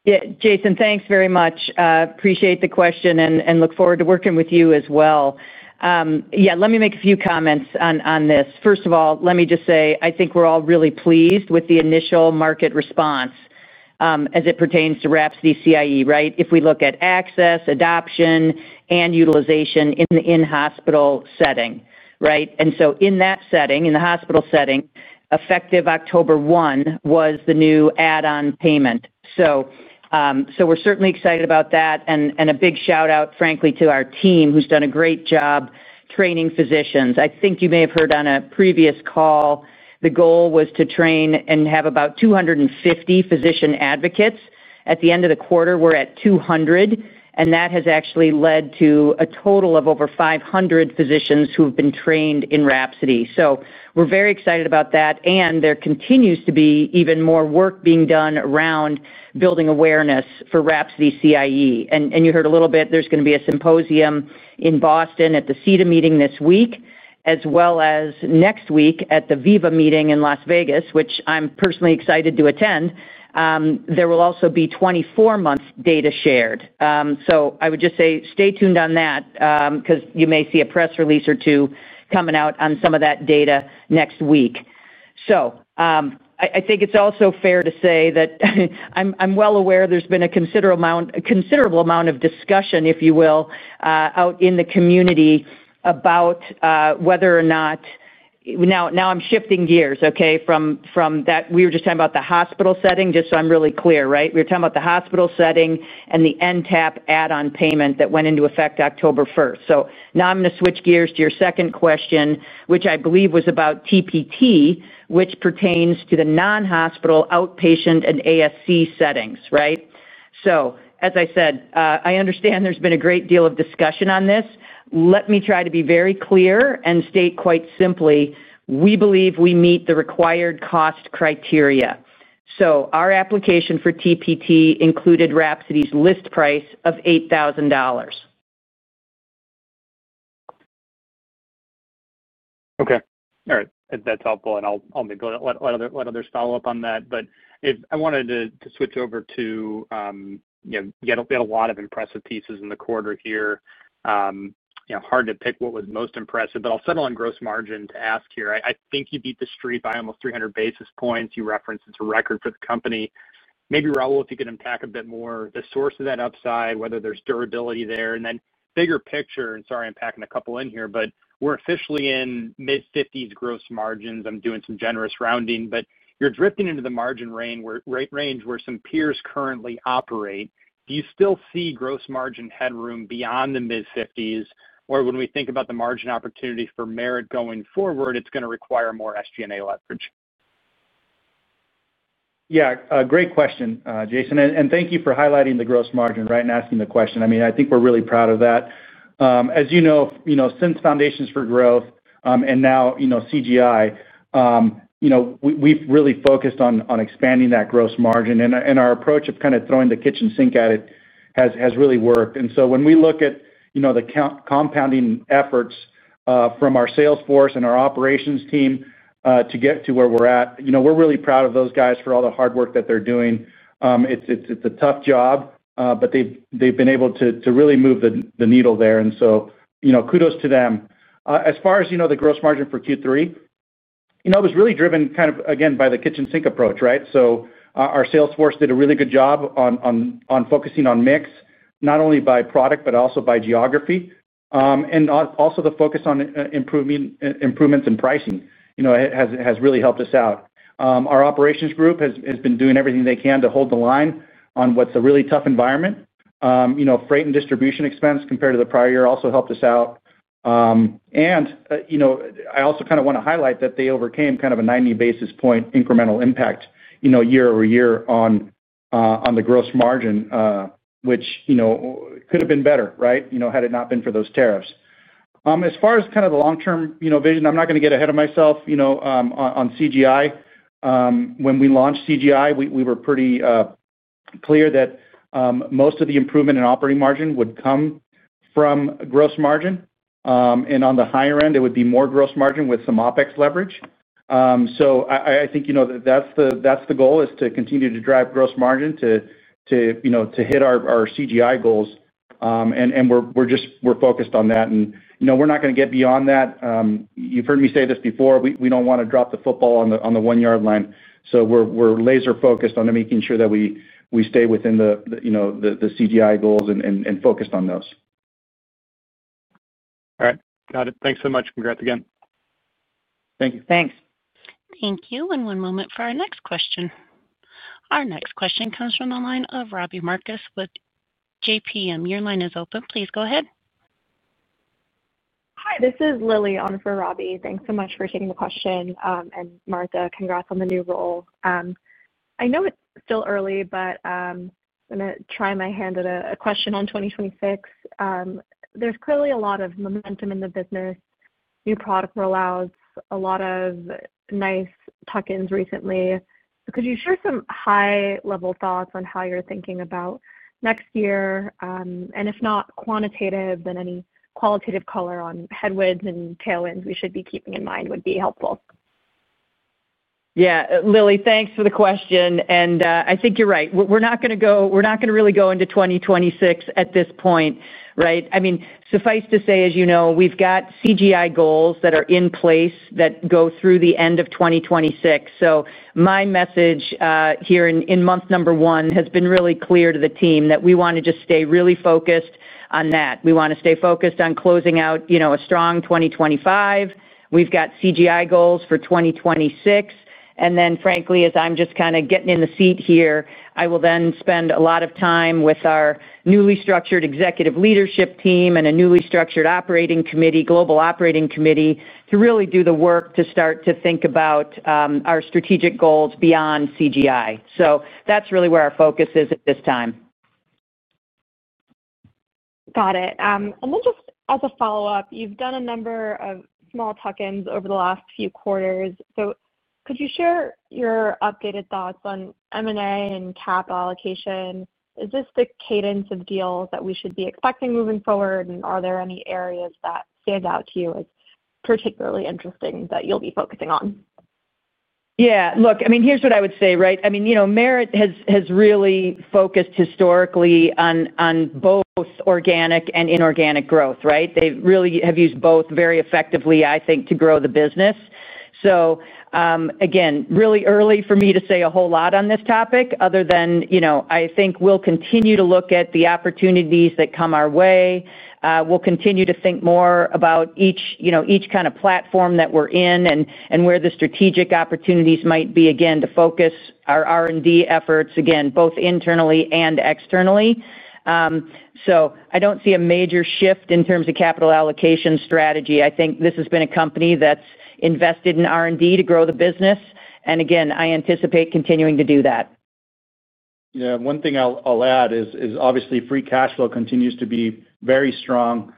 Yeah, Jason, thanks very much. Appreciate the question and look forward to working with you as well. Let me make a few comments on this. First of all, let me just say I think we're all really pleased with the initial market response. As it pertains to WRAPSODY CIE, right? If we look at access, adoption, and utilization in the in-hospital setting, right? In that setting, in the hospital setting, effective October 1 was the new add-on payment. We're certainly excited about that. A big shout-out, frankly, to our team who's done a great job training physicians. I think you may have heard on a previous call, the goal was to train and have about 250 physician advocates. At the end of the quarter, we're at 200. That has actually led to a total of over 500 physicians who have been trained in WRAPSODY. We're very excited about that. There continues to be even more work being done around building awareness for WRAPSODY CIE. You heard a little bit, there's going to be a symposium in Boston at the CETA meeting this week, as well as next week at the VIVA meeting in Las Vegas, which I'm personally excited to attend. There will also be 24-month data shared. I would just say stay tuned on that because you may see a press release or two coming out on some of that data next week. I think it's also fair to say that I'm well aware there's been a considerable amount of discussion, if you will, out in the community about whether or not—now I'm shifting gears, okay, from what we were just talking about, the hospital setting, just so I'm really clear, right? We were talking about the hospital setting and the NTAP add-on payment that went into effect October 1st. Now I'm going to switch gears to your second question, which I believe was about TPT, which pertains to the non-hospital outpatient and ASC settings, right? As I said, I understand there's been a great deal of discussion on this. Let me try to be very clear and state quite simply, we believe we meet the required cost criteria. Our application for TPT included WRAPSODY's list price of $8,000. Okay. All right. That's helpful. I'll let others follow up on that. I wanted to switch over to—we had a lot of impressive pieces in the quarter here. Hard to pick what was most impressive, but I'll settle on gross margin to ask here. I think you beat the street by almost 300 basis points. You referenced it's a record for the company. Maybe, Raul, if you could unpack a bit more the source of that upside, whether there's durability there. Bigger picture, and sorry I'm packing a couple in here, but we're officially in mid-50s gross margins. I'm doing some generous rounding, but you're drifting into the margin range where some peers currently operate. Do you still see gross margin headroom beyond the mid-50s? Or when we think about the margin opportunity for Merit going forward, it's going to require more SG&A leverage? Yeah, great question, Jason. Thank you for highlighting the gross margin, right, and asking the question. I think we're really proud of that. As you know, since Foundations for Growth and now CGI, we've really focused on expanding that gross margin. Our approach of kind of throwing the kitchen sink at it has really worked. When we look at the compounding efforts from our sales force and our operations team to get to where we're at, we're really proud of those guys for all the hard work that they're doing. It's a tough job, but they've been able to really move the needle there. Kudos to them. As far as the gross margin for Q3, it was really driven, again, by the kitchen sink approach, right? Our sales force did a really good job on focusing on mix, not only by product, but also by geography. The focus on improvements in pricing has really helped us out. Our operations group has been doing everything they can to hold the line on what's a really tough environment. Freight and distribution expense compared to the prior year also helped us out. I also want to highlight that they overcame a 90 basis point incremental impact year over year on the gross margin, which could have been better had it not been for those tariffs. As far as the long-term vision, I'm not going to get ahead of myself on CGI. When we launched CGI, we were pretty clear that most of the improvement in operating margin would come from gross margin. On the higher end, it would be more gross margin with some OpEx leverage. I think that's the goal, to continue to drive gross margin to hit our CGI goals. We're focused on that, and we're not going to get beyond that. You've heard me say this before. We don't want to drop the football on the one-yard line. We're laser-focused on making sure that we stay within the CGI goals and focused on those. All right. Got it. Thanks so much. Congrats again. Thank you. Thanks. Thank you. One moment for our next question. Our next question comes from the line of Robbie Marcus with JPM. Your line is open. Please go ahead. Hi, this is Lily on for Robbie. Thanks so much for taking the question. And Martha, congrats on the new role. I know it's still early, but I'm going to try my hand at a question on 2026. There's clearly a lot of momentum in the business. New product rollouts, a lot of nice tuck-ins recently. Could you share some high-level thoughts on how you're thinking about next year? If not quantitative, then any qualitative color on headwinds and tailwinds we should be keeping in mind would be helpful. Yeah. Lily, thanks for the question. I think you're right. We're not going to really go into 2026 at this point, right? I mean, suffice to say, as you know, we've got CGI goals that are in place that go through the end of 2026. My message here in month number one has been really clear to the team that we want to just stay really focused on that. We want to stay focused on closing out a strong 2025. We've got CGI goals for 2026. Frankly, as I'm just kind of getting in the seat here, I will then spend a lot of time with our newly structured executive leadership team and a newly structured global operating committee to really do the work to start to think about our strategic goals beyond CGI. That's really where our focus is at this time. Got it. Just as a follow-up, you've done a number of small tuck-ins over the last few quarters. Could you share your updated thoughts on M&A and cap allocation? Is this the cadence of deals that we should be expecting moving forward? Are there any areas that stand out to you as particularly interesting that you'll be focusing on? Yeah. Look, I mean, here's what I would say, right? Merit has really focused historically on both organic and inorganic growth, right? They really have used both very effectively, I think, to grow the business. Again, really early for me to say a whole lot on this topic other than I think we'll continue to look at the opportunities that come our way. We'll continue to think more about each kind of platform that we're in and where the strategic opportunities might be, again, to focus our R&D efforts, again, both internally and externally. I don't see a major shift in terms of capital allocation strategy. I think this has been a company that's invested in R&D to grow the business. Again, I anticipate continuing to do that. Yeah. One thing I'll add is obviously free cash flow continues to be very strong,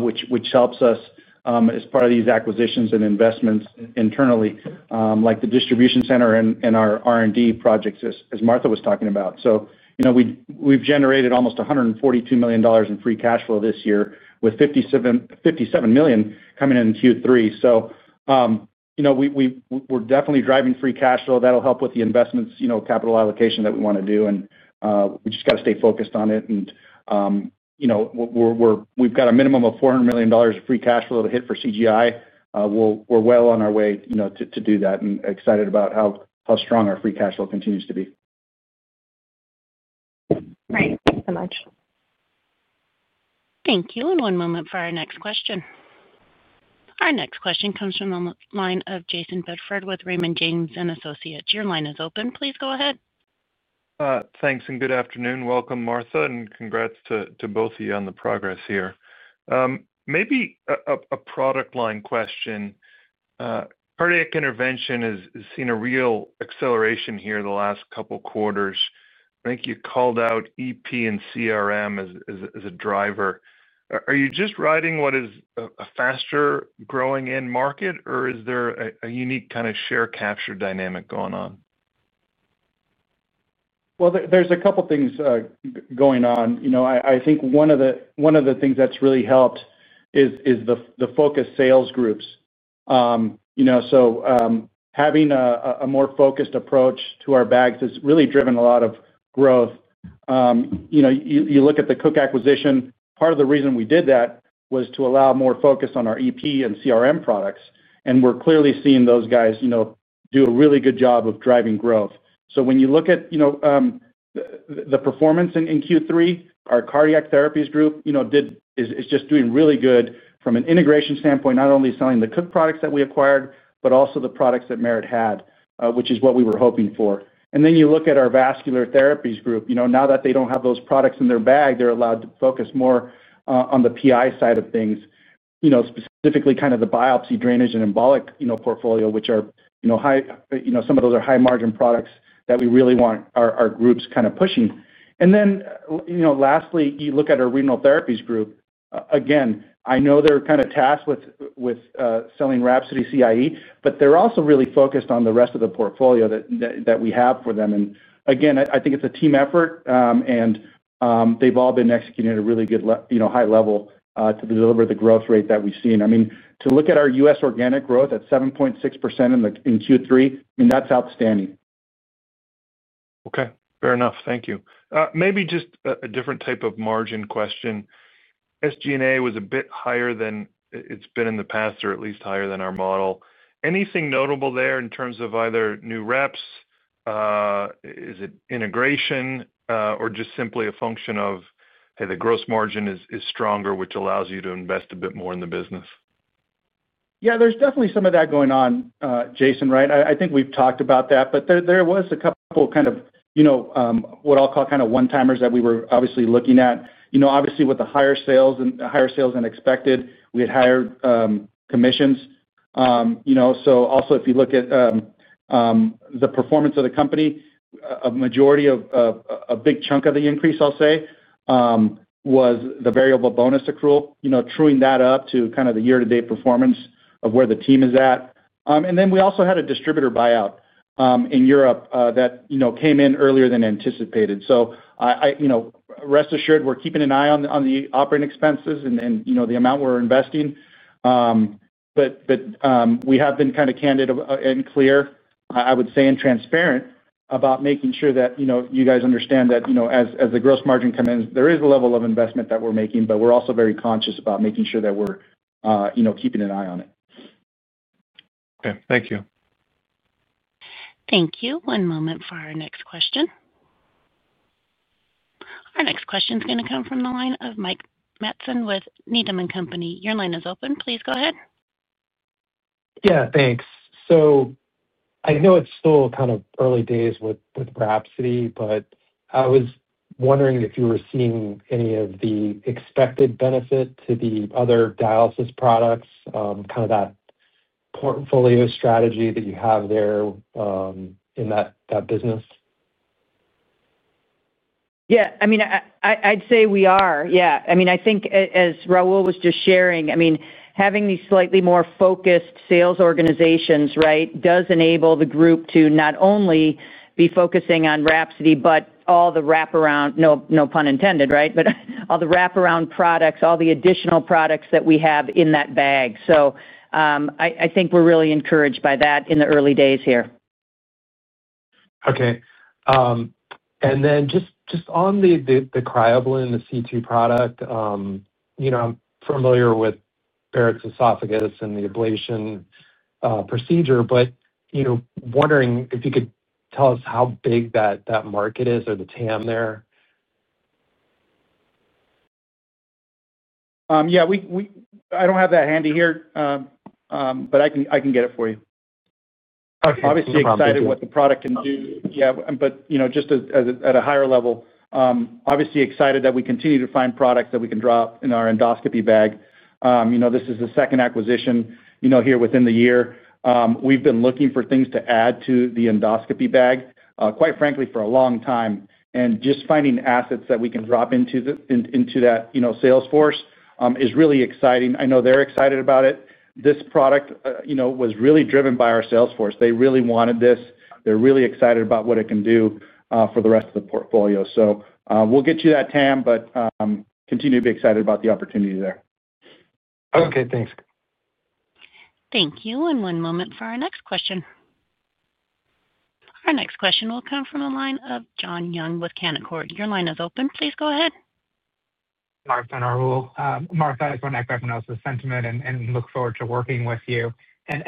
which helps us as part of these acquisitions and investments internally, like the distribution center and our R&D projects, as Martha was talking about. We've generated almost $142 million in free cash flow this year, with $57 million coming in Q3. We're definitely driving free cash flow. That'll help with the investments, capital allocation that we want to do. We just got to stay focused on it. We've got a minimum of $400 million of free cash flow to hit for CGI. We're well on our way to do that and excited about how strong our free cash flow continues to be. Great. Thanks so much. Thank you. And one moment for our next question. Our next question comes from the line of Jason Bedford with Raymond James & Associates. Your line is open. Please go ahead. Thanks. And good afternoon. Welcome, Martha. And congrats to both of you on the progress here. Maybe a product line question. Cardiac intervention has seen a real acceleration here the last couple of quarters. I think you called out EP and CRM as a driver. Are you just riding what is a faster growing end market, or is there a unique kind of share capture dynamic going on? There's a couple of things going on. I think one of the things that's really helped is the focus sales groups. Having a more focused approach to our bags has really driven a lot of growth. You look at the Cook acquisition. Part of the reason we did that was to allow more focus on our EP and CRM products, and we're clearly seeing those guys do a really good job of driving growth. When you look at the performance in Q3, our cardiac therapies group is just doing really good from an integration standpoint, not only selling the Cook products that we acquired, but also the products that Merit had, which is what we were hoping for. You look at our vascular therapies group. Now that they don't have those products in their bag, they're allowed to focus more on the PI side of things, specifically kind of the biopsy, drainage, and embolic portfolio, which are some of those high-margin products that we really want our groups kind of pushing. Lastly, you look at our renal therapies group. Again, I know they're kind of tasked with selling WRAPSODY CIE, but they're also really focused on the rest of the portfolio that we have for them. I think it's a team effort. They've all been executing at a really good high level to deliver the growth rate that we've seen. To look at our U.S. organic growth at 7.6% in Q3, that's outstanding. Okay. Fair enough. Thank you. Maybe just a different type of margin question. SG&A was a bit higher than it's been in the past, or at least higher than our model. Anything notable there in terms of either new reps? Is it integration, or just simply a function of, hey, the gross margin is stronger, which allows you to invest a bit more in the business? Yeah, there's definitely some of that going on, Jason, right? I think we've talked about that. There were a couple of what I'll call kind of one-timers that we were obviously looking at. Obviously, with the higher sales and higher sales than expected, we had higher commissions. Also, if you look at the performance of the company, a majority of a big chunk of the increase, I'll say, was the variable bonus accrual, truing that up to the year-to-date performance of where the team is at. We also had a distributor buyout in Europe that came in earlier than anticipated. Rest assured, we're keeping an eye on the operating expenses and the amount we're investing. We have been candid and clear, I would say, and transparent about making sure that you guys understand that as the gross margin comes in, there is a level of investment that we're making, but we're also very conscious about making sure that we're keeping an eye on it. Okay. Thank you. Thank you. One moment for our next question. Our next question is going to come from the line of Mike Matson with Needham & Company. Your line is open. Please go ahead. Yeah. Thanks. I know it's still kind of early days with WRAPSODY, but I was wondering if you were seeing any of the expected benefit to the other dialysis products, that portfolio strategy that you have there in that business? Yeah. I'd say we are. I think, as Raul was just sharing, having these slightly more focused sales organizations does enable the group to not only be focusing on WRAPSODY, but all the wraparound, no pun intended, all the wraparound products, all the additional products that we have in that bag. I think we're really encouraged by that in the early days here. Okay. And then just on the cryo blend, the C2 product. I'm familiar with Barrett's esophagus and the ablation procedure, but. Wondering if you could tell us how big that market is or the TAM there. Yeah. I don't have that handy here, but I can get it for you. Obviously excited what the product can do. Yeah. Just at a higher level, obviously excited that we continue to find products that we can drop in our endoscopy bag. This is the second acquisition here within the year. We've been looking for things to add to the endoscopy bag, quite frankly, for a long time. Just finding assets that we can drop into that sales force is really exciting. I know they're excited about it. This product was really driven by our sales force. They really wanted this. They're really excited about what it can do for the rest of the portfolio. We'll get you that TAM, but continue to be excited about the opportunity there. Okay. Thanks. Thank you. One moment for our next question. Our next question will come from the line of Jon Young with Canaccord. Your line is open. Please go ahead. Martha and Raul. Martha, I just want to acknowledge the sentiment and look forward to working with you.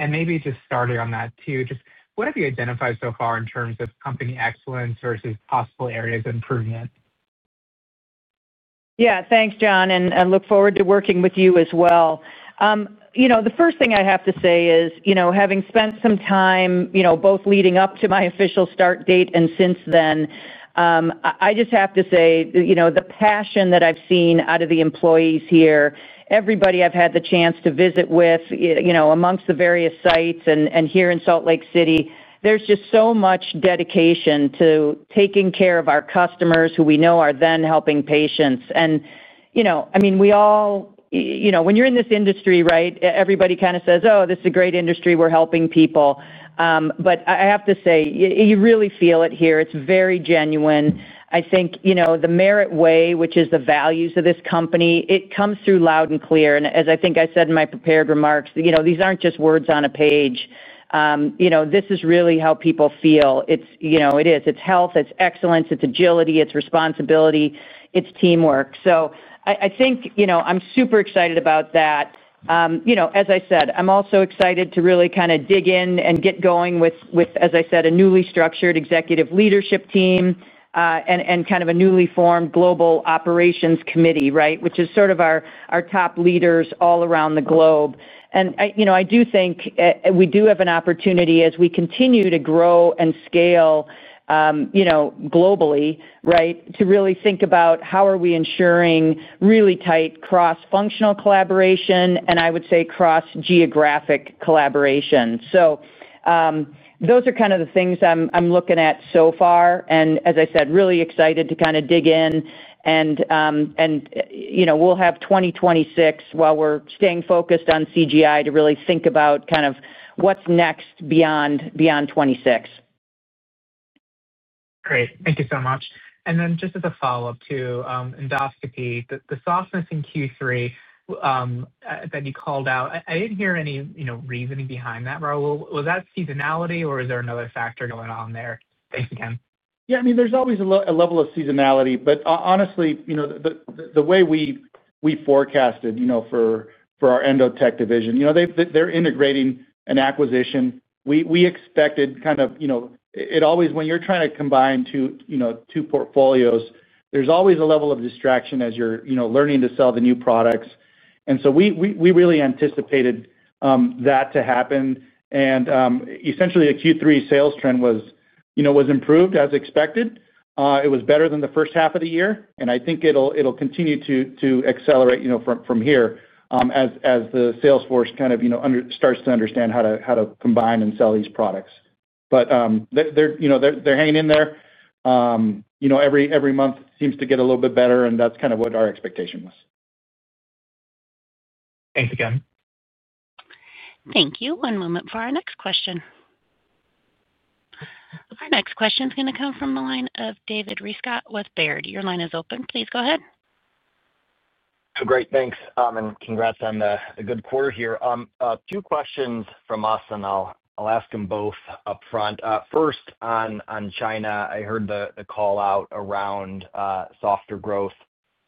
Maybe just starting on that too, just what have you identified so far in terms of company excellence versus possible areas of improvement? Yeah. Thanks, John. I look forward to working with you as well. The first thing I have to say is, having spent some time both leading up to my official start date and since then, I just have to say the passion that I've seen out of the employees here, everybody I've had the chance to visit with amongst the various sites and here in Salt Lake City, there's just so much dedication to taking care of our customers who we know are then helping patients. I mean, we all, when you're in this industry, right, everybody kind of says, "Oh, this is a great industry. We're helping people." I have to say, you really feel it here. It's very genuine. I think the Merit way, which is the values of this company, it comes through loud and clear. As I think I said in my prepared remarks, these aren't just words on a page. This is really how people feel. It is. It's health. It's excellence. It's agility. It's responsibility. It's teamwork. I think I'm super excited about that. As I said, I'm also excited to really kind of dig in and get going with, as I said, a newly structured executive leadership team and kind of a newly formed global operations committee, right, which is sort of our top leaders all around the globe. I do think we have an opportunity as we continue to grow and scale globally to really think about how we are ensuring really tight cross-functional collaboration and cross-geographic collaboration. Those are the things I'm looking at so far. As I said, really excited to dig in. We'll have 2026 while we're staying focused on CGI to really think about what's next beyond 2026. Great. Thank you so much. Just as a follow-up to endoscopy, the softness in Q3 that you called out, I didn't hear any reasoning behind that, Raul. Was that seasonality or is there another factor going on there? Thanks again. Yeah, there's always a level of seasonality. Honestly, the way we forecasted for our endo tech division, they're integrating an acquisition. We expected, when you're trying to combine two portfolios, there's always a level of distraction as you're learning to sell the new products. We really anticipated that to happen. Essentially, the Q3 sales trend was improved as expected. It was better than the first half of the year, and I think it'll continue to accelerate from here as the sales force starts to understand how to combine and sell these products. They're hanging in there. Every month seems to get a little bit better, and that's what our expectation was. Thanks again. Thank you. One moment for our next question. Our next question is going to come from the line of David Rescott with Baird. Your line is open. Please go ahead. Great. Thanks. Congrats on a good quarter here. Two questions from us, and I'll ask them both upfront. First, on China, I heard the call out around softer growth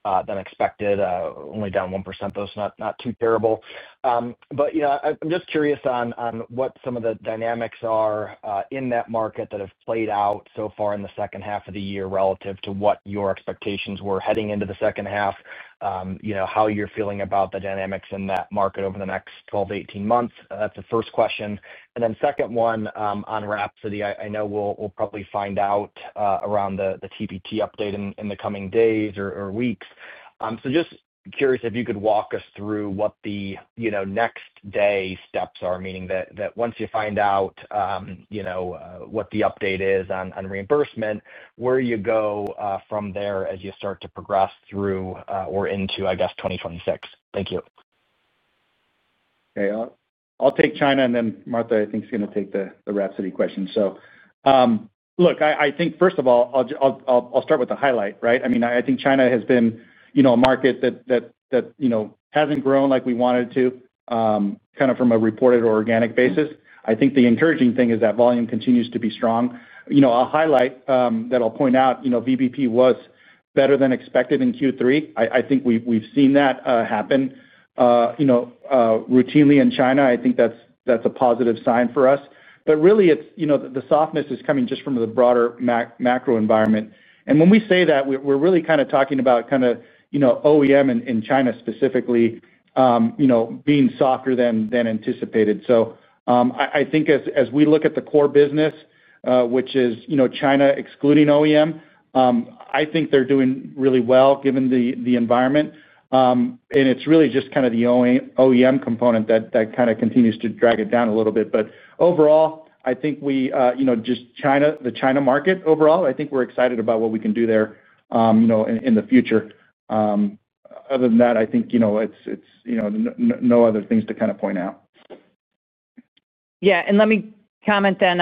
than expected, only down 1%, though, so not too terrible. I'm just curious on what some of the dynamics are in that market that have played out so far in the second half of the year relative to what your expectations were heading into the second half. How you're feeling about the dynamics in that market over the next 12-18 months. That's the first question. The second one on WRAPSODY, I know we'll probably find out around the TPT update in the coming days or weeks. Just curious if you could walk us through what the next steps are, meaning that once you find out what the update is on reimbursement, where you go from there as you start to progress through or into, I guess, 2026. Thank you. Okay. I'll take China, and then Martha, I think, is going to take the WRAPSODY question. Look, first of all, I'll start with the highlight, right? I mean, I think China has been a market that hasn't grown like we wanted to, kind of from a reported organic basis. I think the encouraging thing is that volume continues to be strong. I'll highlight that. I'll point out VBP was better than expected in Q3. I think we've seen that happen routinely in China. I think that's a positive sign for us. The softness is coming just from the broader macro environment. When we say that, we're really kind of talking about OEM in China specifically being softer than anticipated. As we look at the core business, which is China excluding OEM, I think they're doing really well given the environment. It's really just the OEM component that continues to drag it down a little bit. Overall, just China, the China market overall, I think we're excited about what we can do there in the future. Other than that, I think it's no other things to point out. Let me comment then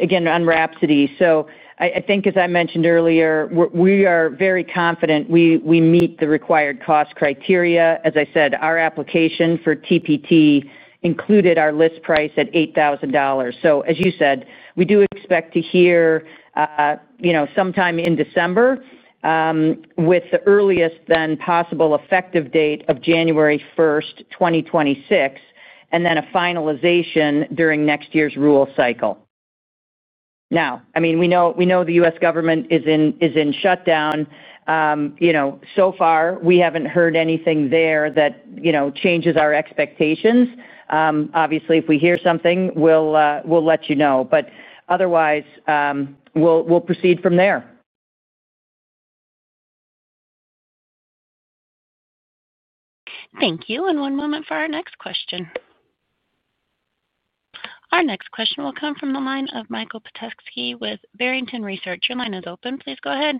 again on WRAPSODY. As I mentioned earlier, we are very confident we meet the required cost criteria. As I said, our application for TPT included our list price at $8,000. As you said, we do expect to hear sometime in December, with the earliest then possible effective date of January 1st, 2026, and then a finalization during next year's rule cycle. Now, I mean, we know the U.S. government is in shutdown. So far, we haven't heard anything there that changes our expectations. Obviously, if we hear something, we'll let you know. Otherwise, we'll proceed from there. Thank you. One moment for our next question. Our next question will come from the line of Michael Petusky with Barrington Research. Your line is open. Please go ahead.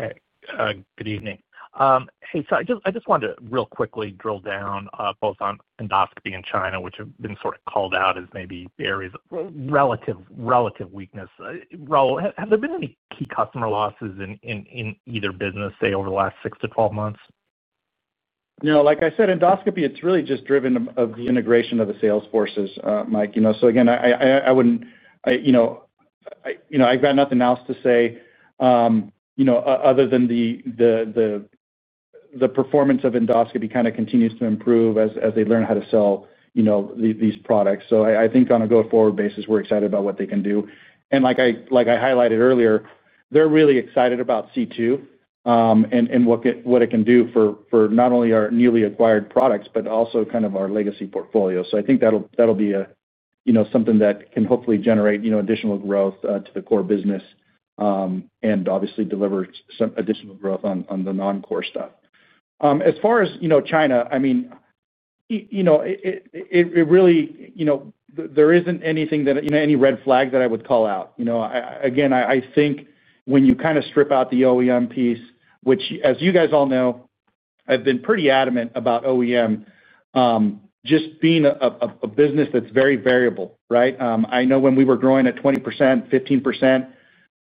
Good evening. Hey, I just wanted to real quickly drill down both on endoscopy and China, which have been sort of called out as maybe areas of relative weakness. Raul, have there been any key customer losses in either business, say, over the last 6-12 months? No, like I said, endoscopy, it's really just driven off the integration of the sales forces, Mike. Again, I wouldn't. I've got nothing else to say other than the performance of endoscopy kind of continues to improve as they learn how to sell these products. I think on a go-forward basis, we're excited about what they can do. Like I had cited earlier, they're really excited about C2 and what it can do for not only our newly acquired products but also kind of our legacy portfolio. I think that'll be something that can hopefully generate additional growth to the core business and obviously deliver some additional growth on the non-core stuff. As far as China, there isn't anything that any red flag that I would call out. I again, I think when you kind of strip out the OEM piece, which, as you guys all know, I've been pretty adamant about OEM just being a business that's very variable, right? I know when we were growing at 20%, 15%,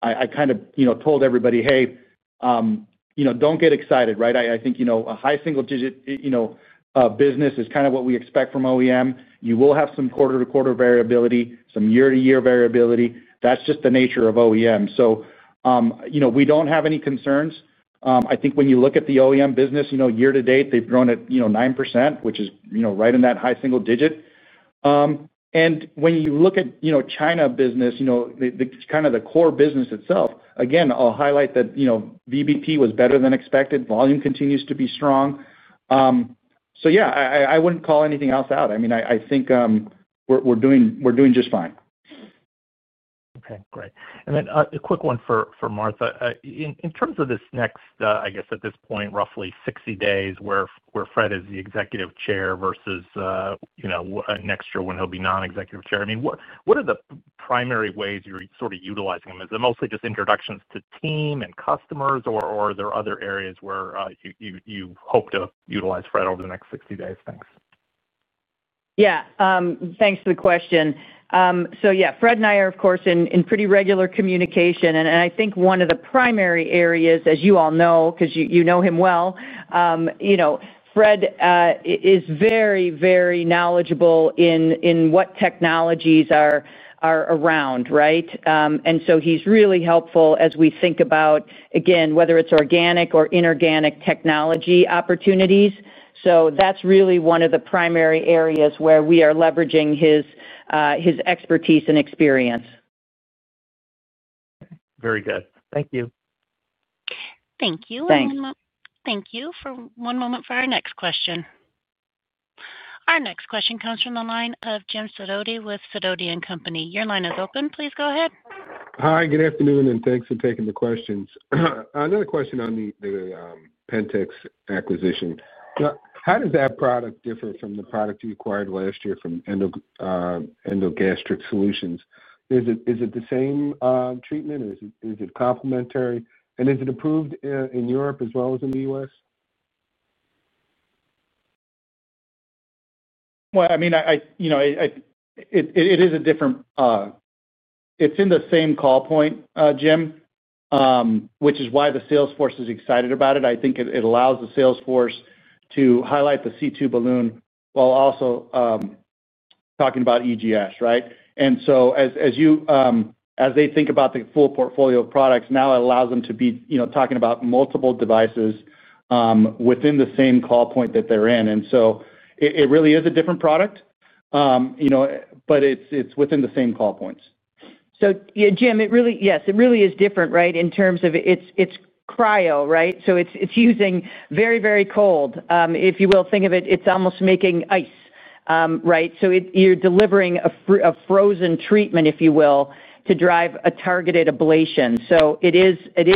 I kind of told everybody, "Hey, don't get excited," right? I think a high single-digit business is kind of what we expect from OEM. You will have some quarter-to-quarter variability, some year-to-year variability. That's just the nature of OEM. We don't have any concerns. I think when you look at the OEM business year to date, they've grown at 9%, which is right in that high single digit. When you look at China business, the core business itself, again, I'll highlight that VBP was better than expected. Volume continues to be strong. I wouldn't call anything else out. I think we're doing just fine. Okay. Great. A quick one for Martha. In terms of this next, at this point, roughly 60 days where Fred is the Executive Chairman versus next year when he'll be Non-Executive Chairman, what are the primary ways you're sort of utilizing him? Is it mostly just introductions to team and customers, or are there other areas where you hope to utilize Fred over the next 60 days? Thanks. Yeah, thanks for the question. Fred and I are, of course, in pretty regular communication. I think one of the primary areas, as you all know, 'cause you know him well, you know Fred is very, very knowledgeable in what technologies are around, right? He's really helpful as we think about, again, whether it's organic or inorganic technology opportunities. That's really one of the primary areas where we are leveraging his expertise and experience. Okay. Very good. Thank you. Thank you. Thanks. One moment. Thank you for one moment for our next question. Our next question comes from the line of Jim Sidoti with Sidoti & Company. Your line is open. Please go ahead. Hi. Good afternoon, and thanks for taking the questions. Another question on the Pentax acquisition. How does that product differ from the product you acquired last year from EndoGastric Solutions? Is it the same treatment? Is it complementary? Is it approved in Europe as well as in the U.S.? I mean, it is a different, it's in the same call point, Jim, which is why the Salesforce is excited about it. I think it allows the Salesforce to highlight the C2 Balloon while also talking about EGS, right? As they think about the full portfolio of products, now it allows them to be talking about multiple devices within the same call point that they're in. It really is a different product, but it's within the same call points. Yes, Jim, it really is different, right, in terms of it's cryo, right? So it's using very, very cold, if you will. Think of it, it's almost making ice, right? You're delivering a frozen treatment, if you will, to drive a targeted ablation. It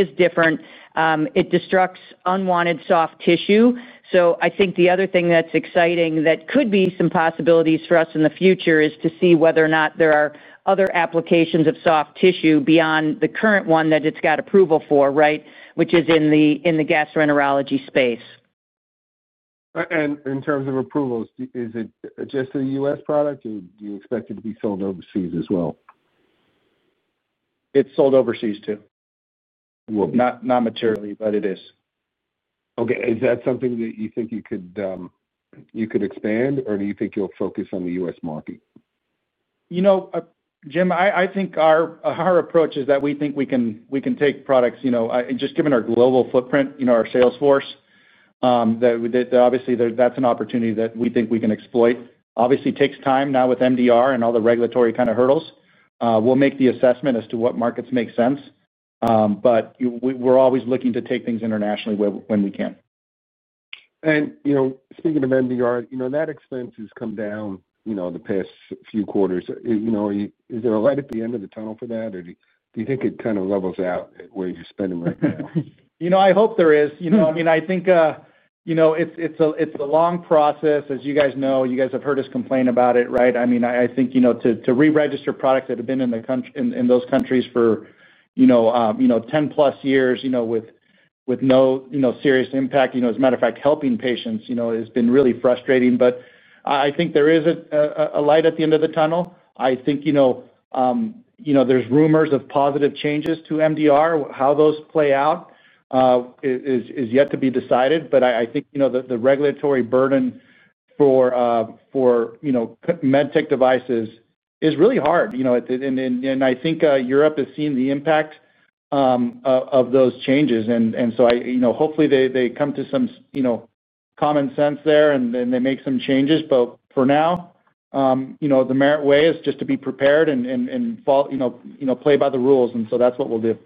is different. It destructs unwanted soft tissue. I think the other thing that's exciting that could be some possibilities for us in the future is to see whether or not there are other applications of soft tissue beyond the current one that it's got approval for, right, which is in the gastroenterology space. In terms of approvals, is it just a U.S. product, or do you expect it to be sold overseas as well? It's sold overseas too. It is not materially, but it is. Is that something that you think you could expand, or do you think you'll focus on the U.S. market? You know, Jim, I think our approach is that we think we can take products, just given our global footprint, our Salesforce, that we did that obviously there, that's an opportunity that we think we can exploit. Obviously, it takes time now with MDR and all the regulatory kind of hurdles. We'll make the assessment as to what markets make sense, but we're always looking to take things internationally when we can. Speaking of MDR, that expense has come down the past few quarters. Is there a light at the end of the tunnel for that, or do you think it kinda levels out at where you're spending right now? I hope there is. I think it's a long process, as you guys know. You guys have heard us complain about it, right? I think to re-register products that have been in those countries for 10+ years with no serious impact, as a matter of fact, helping patients, has been really frustrating. I think there is a light at the end of the tunnel. I think there are rumors of positive changes to MDR; how those play out is yet to be decided. I think the regulatory burden for MedTech devices is really hard, and I think Europe has seen the impact of those changes. Hopefully, they come to some common sense there, and they make some changes. For now, the Merit Way is just to be prepared and follow, play by the rules. That's what we'll do.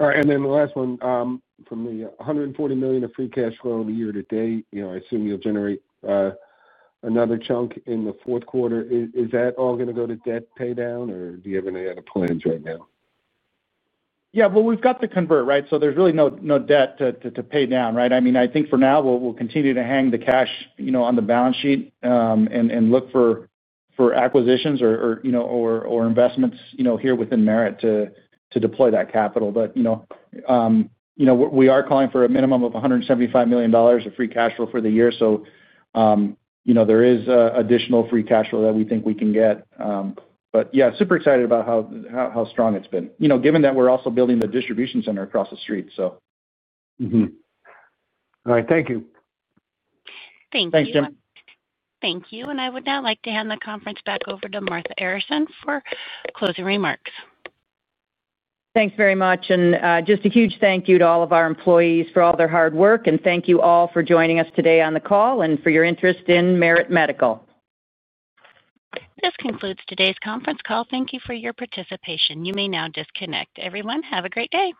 All right. The last one, from the $140 million of free cash flow in the year to date, you know, I assume you'll generate another chunk in the fourth quarter. Is that all going to go to debt pay down, or do you have any other plans right now? Yeah. We've got to convert, right? There's really no debt to pay down, right? I think for now, we'll continue to hang the cash on the balance sheet and look for acquisitions or investments here within Merit to deploy that capital. We are calling for a minimum of $175 million of free cash flow for the year. There is additional free cash flow that we think we can get. Yeah, super excited about how strong it's been, given that we're also building the distribution center across the street. All right. Thank you. Thank you. Thanks, Jim. Thank you. I would now like to hand the conference back over to Martha Aronson for closing remarks. Thanks very much. A huge thank you to all of our employees for all their hard work. Thank you all for joining us today on the call and for your interest in Merit Medical. This concludes today's conference call. Thank you for your participation. You may now disconnect. Everyone, have a great day.